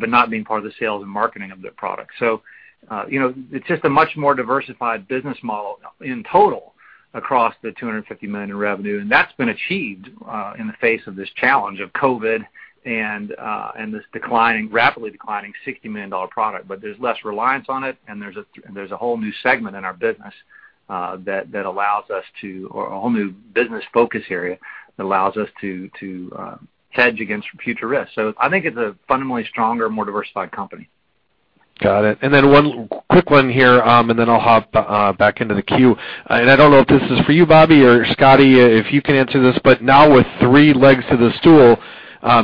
but not being part of the sales and marketing of their product. It's just a much more diversified business model in total across the $250 million in revenue. That's been achieved in the face of this challenge of COVID and this rapidly declining $60 million product. There's less reliance on it and there's a whole new segment in our business that allows us to, or a whole new business focus area that allows us to hedge against future risks. I think it's a fundamentally stronger, more diversified company. Got it. One quick one here, then I'll hop back into the queue. I don't know if this is for you, Bobby, or Scotty, if you can answer this, but now with three legs to the stool,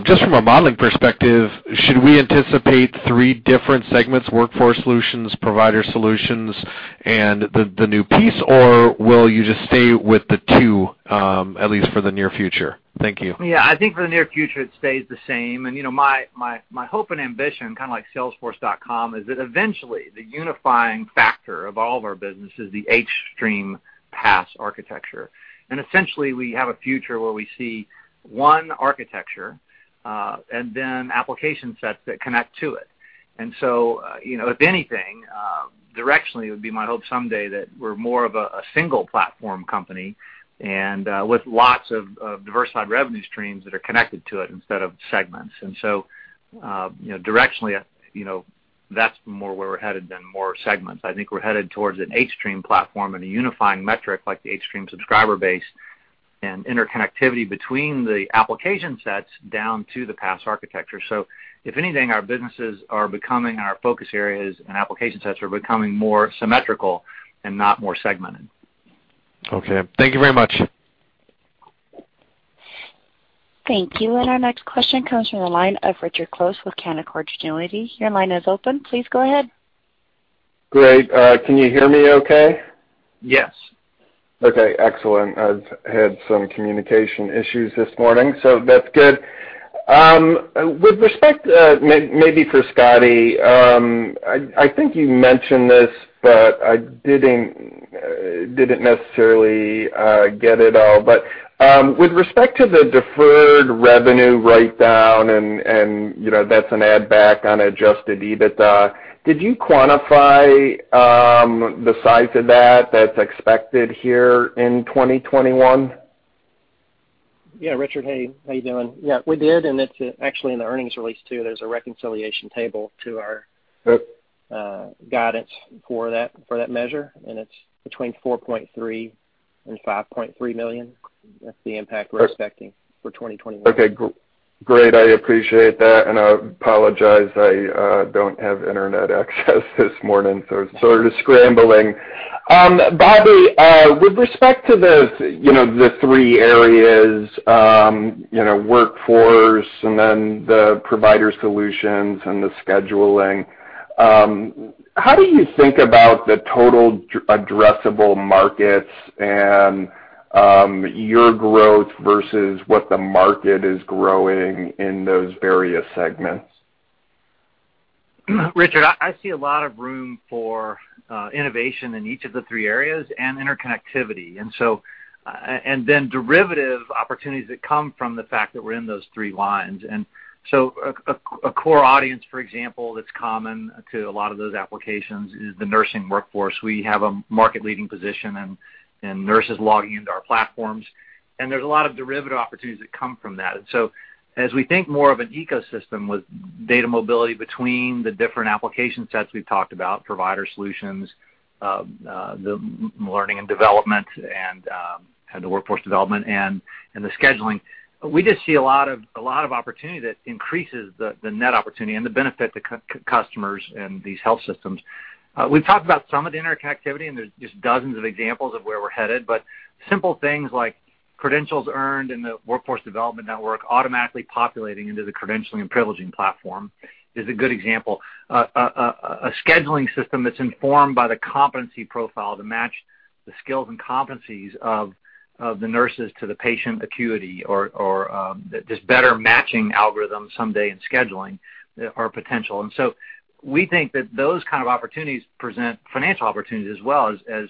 just from a modeling perspective, should we anticipate three different segments, Workforce Solutions, Provider Solutions, and the new piece, or will you just stay with the two at least for the near future? Thank you. Yeah, I think for the near future it stays the same. My hope and ambition, kind of like salesforce.com, is that eventually the unifying factor of all of our business is the hStream PaaS architecture. Essentially we have a future where we see one architecture and then application sets that connect to it. If anything, directionally, it would be my hope someday that we're more of a single platform company and with lots of diversified revenue streams that are connected to it instead of segments. Directionally, that's more where we're headed than more segments. I think we're headed towards an hStream platform and a unifying metric like the hStream subscriber base and interconnectivity between the application sets down to the PaaS architecture. If anything, our businesses are becoming our focus areas and application sets are becoming more symmetrical and not more segmented. Okay. Thank you very much. Thank you. Our next question comes from the line of Richard Close with Canaccord Genuity. Your line is open. Please go ahead. Great. Can you hear me okay? Yes. Okay, excellent. I've had some communication issues this morning, so that's good. With respect, maybe for Scotty, I think you mentioned this, but I didn't necessarily get it all. With respect to the deferred revenue write-down and that's an add back on Adjusted EBITDA, did you quantify the size of that that's expected here in 2021? Yeah. Richard, hey. How you doing? Yeah, we did, and it's actually in the earnings release too. There's a reconciliation table to our. Good guidance for that measure, and it's between $4.3 million and $5.3 million. That's the impact we're expecting for 2021. Okay, great. I appreciate that. I apologize, I don't have internet access this morning, so sort of scrambling. Bobby, with respect to the three areas, Workforce Solutions and then the Provider Solutions and the HealthStream Scheduling, how do you think about the total addressable markets and your growth versus what the market is growing in those various segments? Richard, I see a lot of room for innovation in each of the three areas and interconnectivity. Derivative opportunities that come from the fact that we're in those three lines. A core audience, for example, that's common to a lot of those applications is the nursing workforce. We have a market-leading position in nurses logging into our platforms. There's a lot of derivative opportunities that come from that. As we think more of an ecosystem with data mobility between the different application sets we've talked about, Provider Solutions, the learning and development and the Workforce Solutions and the scheduling. We just see a lot of opportunity that increases the net opportunity and the benefit to customers and these health systems. We've talked about some of the interconnectivity. There's just dozens of examples of where we're headed, but simple things like credentials earned and the workforce development network automatically populating into the credentialing and privileging platform is a good example. A scheduling system that's informed by the competency profile to match the skills and competencies of the nurses to the patient acuity or just better matching algorithms someday in scheduling are potential. We think that those kind of opportunities present financial opportunities as well as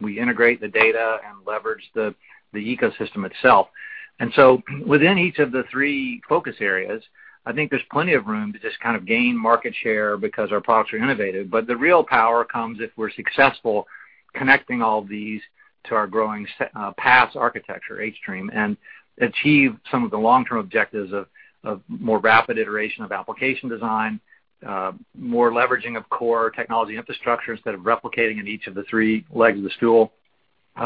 we integrate the data and leverage the ecosystem itself. Within each of the three focus areas, I think there's plenty of room to just gain market share because our products are innovative. The real power comes if we're successful connecting all of these to our growing PaaS architecture, hStream, and achieve some of the long-term objectives of more rapid iteration of application design, more leveraging of core technology infrastructure instead of replicating in each of the three legs of the stool.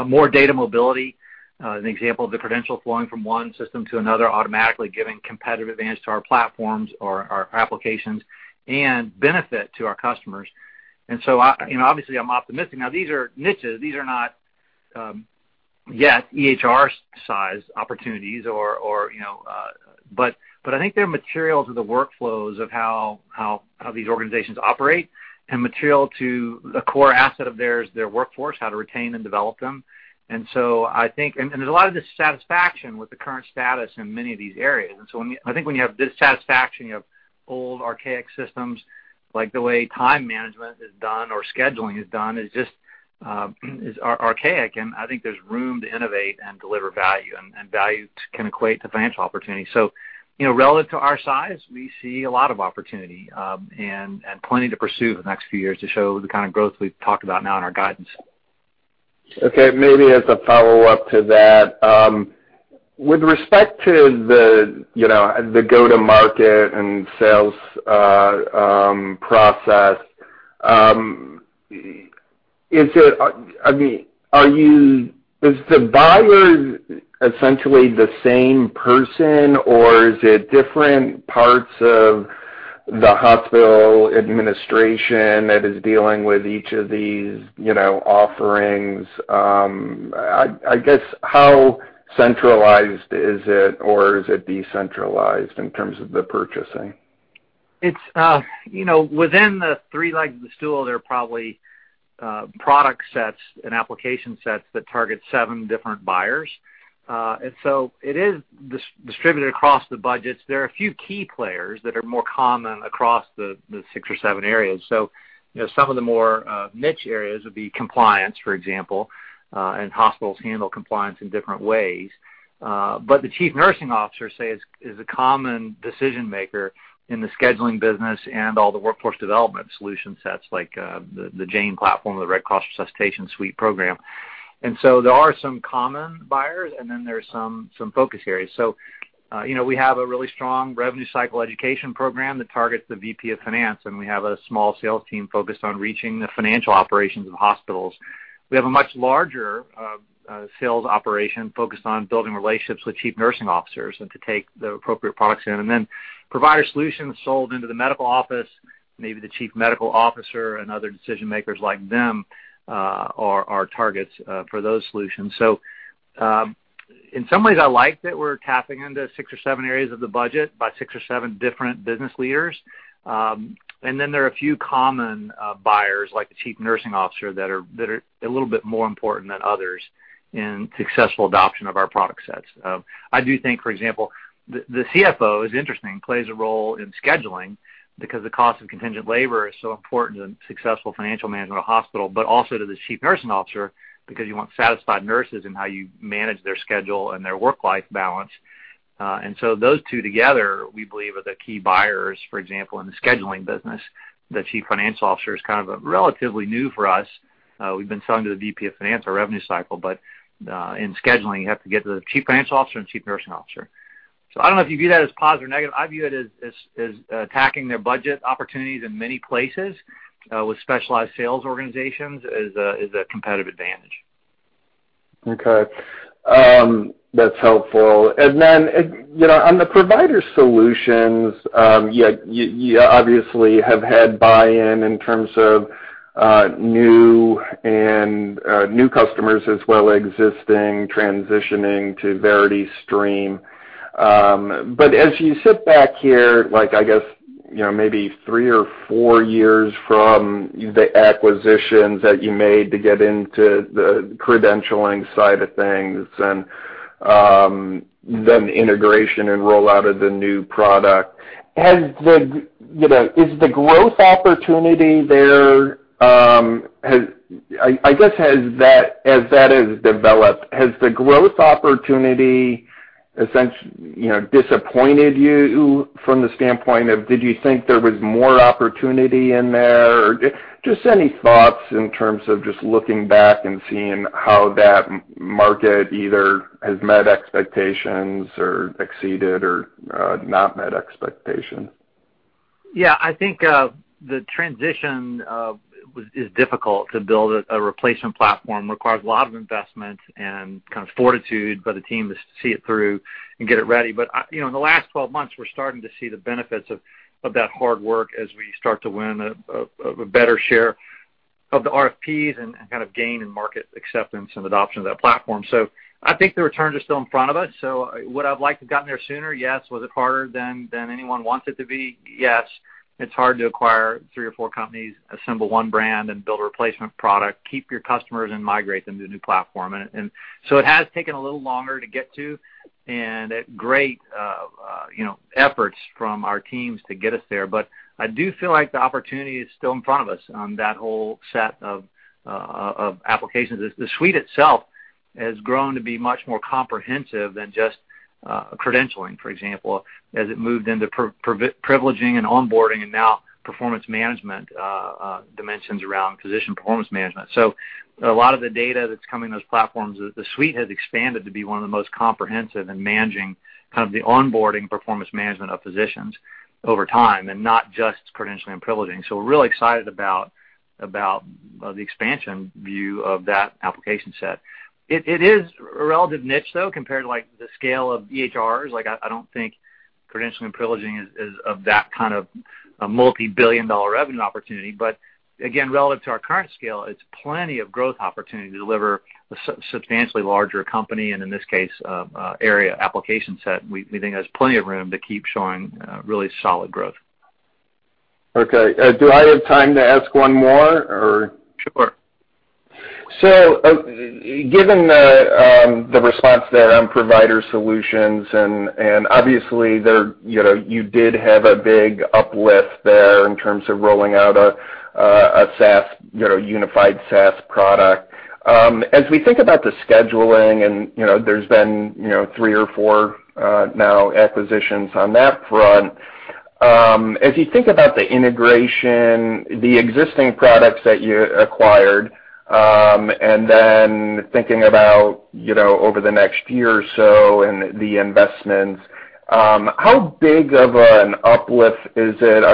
More data mobility, an example of the credential flowing from one system to another, automatically giving competitive advantage to our platforms or our applications and benefit to our customers. Obviously, I'm optimistic. These are niches. These are not, yet, EHR-size opportunities. I think they're material to the workflows of how these organizations operate and material to the core asset of theirs, their workforce, how to retain and develop them. There's a lot of dissatisfaction with the current status in many of these areas. I think when you have dissatisfaction, you have old archaic systems, like the way time management is done or scheduling is done is just archaic, and I think there's room to innovate and deliver value, and value can equate to financial opportunity. Relative to our size, we see a lot of opportunity, and plenty to pursue in the next few years to show the kind of growth we've talked about now in our guidance. Okay, maybe as a follow-up to that. With respect to the go-to-market and sales process, is the buyer essentially the same person, or is it different parts of the hospital administration that is dealing with each of these offerings? I guess, how centralized is it, or is it decentralized in terms of the purchasing? Within the three legs of the stool, there are probably product sets and application sets that target seven different buyers. It is distributed across the budgets. There are a few key players that are more common across the six or seven areas. Some of the more niche areas would be compliance, for example, and hospitals handle compliance in different ways. The Chief Nursing Officer, say, is a common decision-maker in the scheduling business and all the workforce development solution sets like the Jane platform, the Red Cross Resuscitation Suite program. There are some common buyers, and then there's some focus areas. We have a really strong revenue cycle education program that targets the VP of finance, and we have a small sales team focused on reaching the financial operations of hospitals. We have a much larger sales operation focused on building relationships with Chief Nursing Officers to take the appropriate products in. Provider Solutions sold into the medical office, maybe the chief medical officer and other decision-makers like them, are our targets for those solutions. In some ways, I like that we're tapping into six or seven areas of the budget by six or seven different business leaders. There are a few common buyers, like the Chief Nursing Officer, that are a little bit more important than others in successful adoption of our product sets. I do think, for example, the CFO is interesting, plays a role in scheduling because the cost of contingent labor is so important to successful financial management of a hospital, but also to the Chief Nursing Officer because you want satisfied nurses in how you manage their schedule and their work-life balance. Those two together, we believe, are the key buyers, for example, in the scheduling business. The Chief Finance Officer is relatively new for us. We've been selling to the VP of finance our revenue cycle, but in scheduling, you have to get to the Chief Finance Officer and Chief Nursing Officer. I don't know if you view that as positive or negative. I view it as attacking their budget opportunities in many places, with specialized sales organizations as a competitive advantage. Okay. That's helpful. On the Provider Solutions, you obviously have had buy-in in terms of new customers as well existing transitioning to VerityStream. As you sit back here, I guess maybe three or four years from the acquisitions that you made to get into the credentialing side of things and then integration and rollout of the new product, I guess as that has developed, has the growth opportunity disappointed you from the standpoint of, did you think there was more opportunity in there? Just any thoughts in terms of just looking back and seeing how that market either has met expectations or exceeded or not met expectations? I think the transition is difficult to build a replacement platform. It requires a lot of investment and fortitude by the team to see it through and get it ready. In the last 12 months, we're starting to see the benefits of that hard work as we start to win a better share of the RFPs and gain in market acceptance and adoption of that platform. I think the returns are still in front of us. Would I have liked to gotten there sooner? Yes. Was it harder than anyone wants it to be? Yes. It's hard to acquire three or four companies, assemble one brand, and build a replacement product, keep your customers, and migrate them to a new platform. It has taken a little longer to get to, and great efforts from our teams to get us there. I do feel like the opportunity is still in front of us on that whole set of applications. The suite itself has grown to be much more comprehensive than just credentialing, for example, as it moved into privileging and onboarding and now performance management dimensions around physician performance management. A lot of the data that's coming to those platforms, the suite has expanded to be one of the most comprehensive in managing the onboarding performance management of physicians over time, and not just credentialing and privileging. We're really excited about the expansion view of that application set. It is a relative niche, though, compared to the scale of EHRs. I don't think credentialing and privileging is of that kind of a multi-billion dollar revenue opportunity. Again, relative to our current scale, it's plenty of growth opportunity to deliver a substantially larger company, and in this case, area application set. We think there's plenty of room to keep showing really solid growth. Okay. Do I have time to ask one more, or? Sure. Given the response there on Provider Solutions, and obviously you did have a big uplift there in terms of rolling out a unified SaaS product. We think about the scheduling, and there's been three or four now acquisitions on that front. You think about the integration, the existing products that you acquired, and then thinking about over the next year or so and the investments, how big of an uplift is it?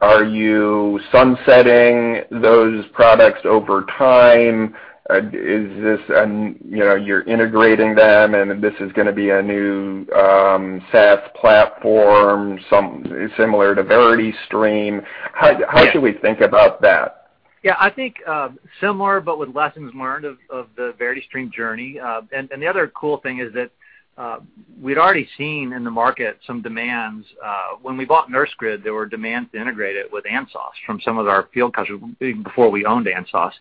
Are you sunsetting those products over time? You're integrating them, and this is going to be a new SaaS platform, similar to VerityStream. How should we think about that? Yeah, I think similar, but with lessons learned of the VerityStream journey. The other cool thing is that we'd already seen in the market some demands. When we bought Nursegrid, there were demands to integrate it with ANSOS from some of our field customers, even before we owned ANSOS.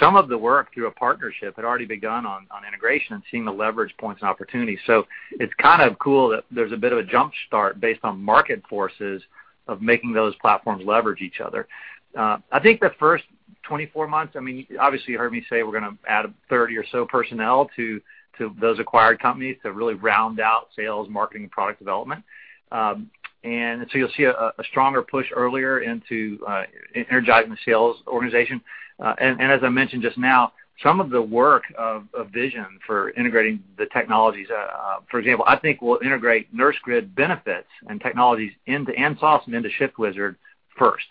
Some of the work through a partnership had already begun on integration and seeing the leverage points and opportunities. It's kind of cool that there's a bit of a jumpstart based on market forces of making those platforms leverage each other. I think the first 24 months, obviously you heard me say we're going to add 30 or so personnel to those acquired companies to really round out sales, marketing, and product development. You'll see a stronger push earlier into energizing the sales organization. As I mentioned just now, some of the work of vision for integrating the technologies. For example, I think we'll integrate Nursegrid benefits and technologies into ANSOS and into ShiftWizard first.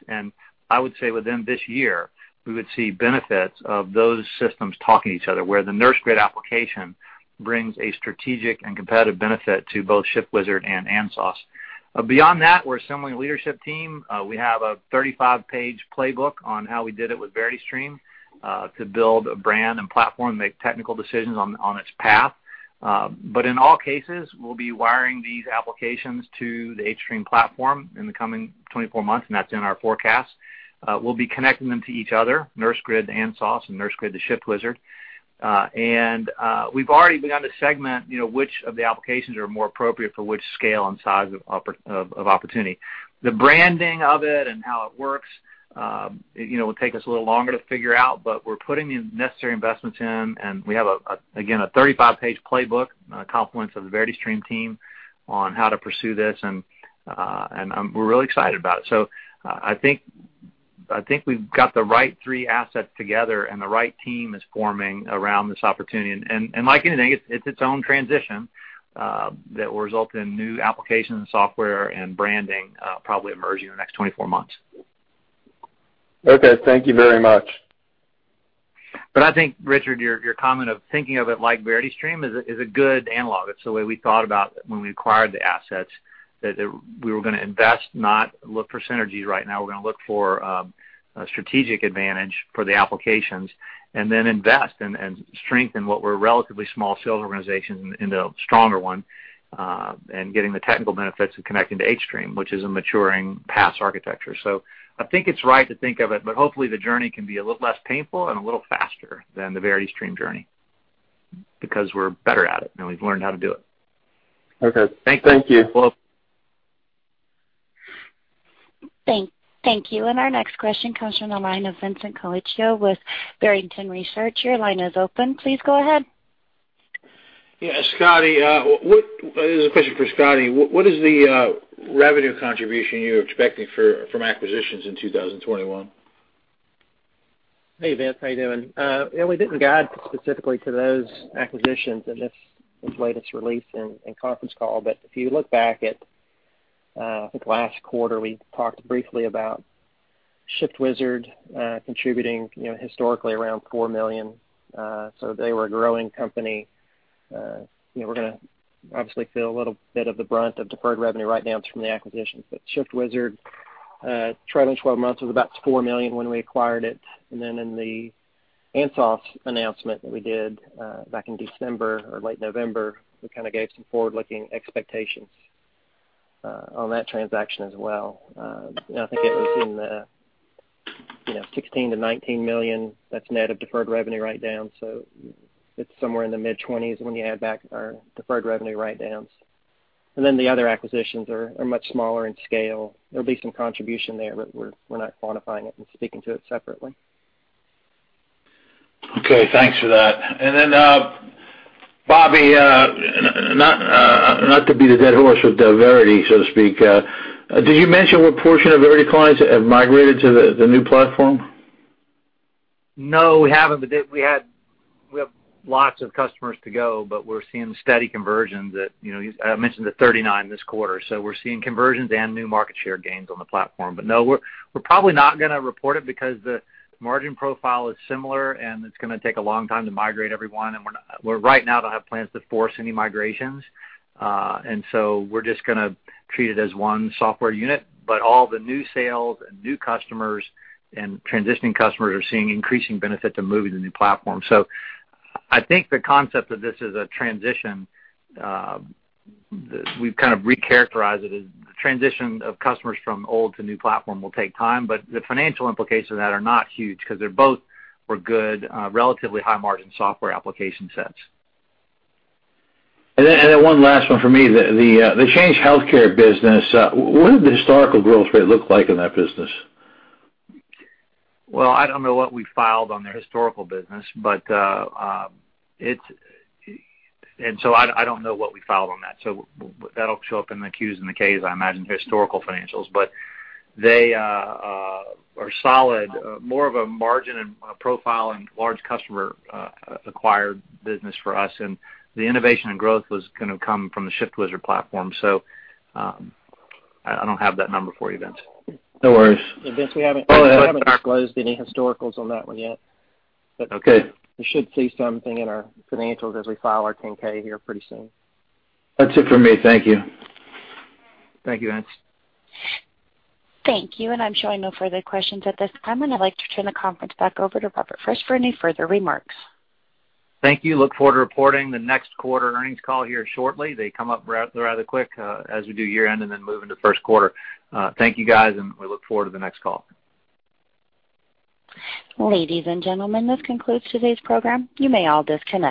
I would say within this year, we would see benefits of those systems talking to each other, where the Nursegrid application brings a strategic and competitive benefit to both ShiftWizard and ANSOS. Beyond that, we're assembling a leadership team. We have a 35-page playbook on how we did it with VerityStream to build a brand and platform, make technical decisions on its path. In all cases, we'll be wiring these applications to the hStream platform in the coming 24 months, and that's in our forecast. We'll be connecting them to each other, Nursegrid to ANSOS and Nursegrid to ShiftWizard. We've already begun to segment which of the applications are more appropriate for which scale and size of opportunity. The branding of it and how it works will take us a little longer to figure out, but we're putting the necessary investments in, and we have, again, a 35-page playbook, a confluence of the VerityStream team, on how to pursue this, and we're really excited about it. I think we've got the right three assets together and the right team is forming around this opportunity. Like anything, it's its own transition that will result in new applications and software and branding probably emerging in the next 24 months. Okay. Thank you very much. I think, Richard, your comment of thinking of it like VerityStream is a good analog. It's the way we thought about when we acquired the assets, that we were going to invest, not look for synergies right now. We're going to look for a strategic advantage for the applications and then invest and strengthen what were relatively small sales organizations into a stronger one, and getting the technical benefits of connecting to hStream, which is a maturing PaaS architecture. I think it's right to think of it, but hopefully the journey can be a little less painful and a little faster than the VerityStream journey because we're better at it now. We've learned how to do it. Okay. Thank you. Thank you. Thank you. Our next question comes from the line of Vincent Colicchio with Barrington Research. Your line is open. Please go ahead. Yeah, Scotty. This is a question for Scotty. What is the revenue contribution you're expecting from acquisitions in 2021? Hey, Vince, how you doing? Yeah, we didn't guide specifically to those acquisitions in this latest release and conference call. If you look back at, I think last quarter, we talked briefly about ShiftWizard contributing historically around $4 million. They were a growing company. We're gonna obviously feel a little bit of the brunt of deferred revenue write-downs from the acquisitions. ShiftWizard trailing 12 months was about $4 million when we acquired it, and then in the ANSOS announcement that we did back in December or late November, we kind of gave some forward-looking expectations on that transaction as well. I think it was in the $16 million-$19 million that's net of deferred revenue write-down. It's somewhere in the mid-20s when you add back our deferred revenue write-downs. The other acquisitions are much smaller in scale. There'll be some contribution there, but we're not quantifying it and speaking to it separately. Okay. Thanks for that. Bobby, not to beat a dead horse with Verity, so to speak, did you mention what portion of Verity clients have migrated to the new platform? No, we haven't. We have lots of customers to go, but we're seeing steady conversions at, I mentioned the 39 this quarter. We're seeing conversions and new market share gains on the platform. No, we're probably not gonna report it because the margin profile is similar, and it's gonna take a long time to migrate everyone, and we're right now don't have plans to force any migrations. We're just gonna treat it as one software unit. All the new sales and new customers and transitioning customers are seeing increasing benefit to moving to the new platform. I think the concept of this is a transition. We've kind of recharacterized it as transition of customers from old to new platform will take time, but the financial implications of that are not huge because they both were good, relatively high-margin software application sets. One last one for me. The Change Healthcare business, what did the historical growth rate look like in that business? Well, I don't know what we filed on their historical business. I don't know what we filed on that. That'll show up in the Qs and the Ks, I imagine, historical financials. They are solid, more of a margin and profile and large customer acquired business for us. The innovation and growth was gonna come from the ShiftWizard platform. I don't have that number for you, Vince. No worries. Vince. Go ahead, Matt. disclosed any historicals on that one yet. Okay. You should see something in our financials as we file our 10-K here pretty soon. That's it for me. Thank you. Thank you, Vince. Thank you. I'm showing no further questions at this time. I'd like to turn the conference back over to Robert Frist for any further remarks. Thank you. Look forward to reporting the next quarter earnings call here shortly. They come up rather quick as we do year-end and then move into first quarter. Thank you, guys, and we look forward to the next call. Ladies and gentlemen, this concludes today's program. You may all disconnect.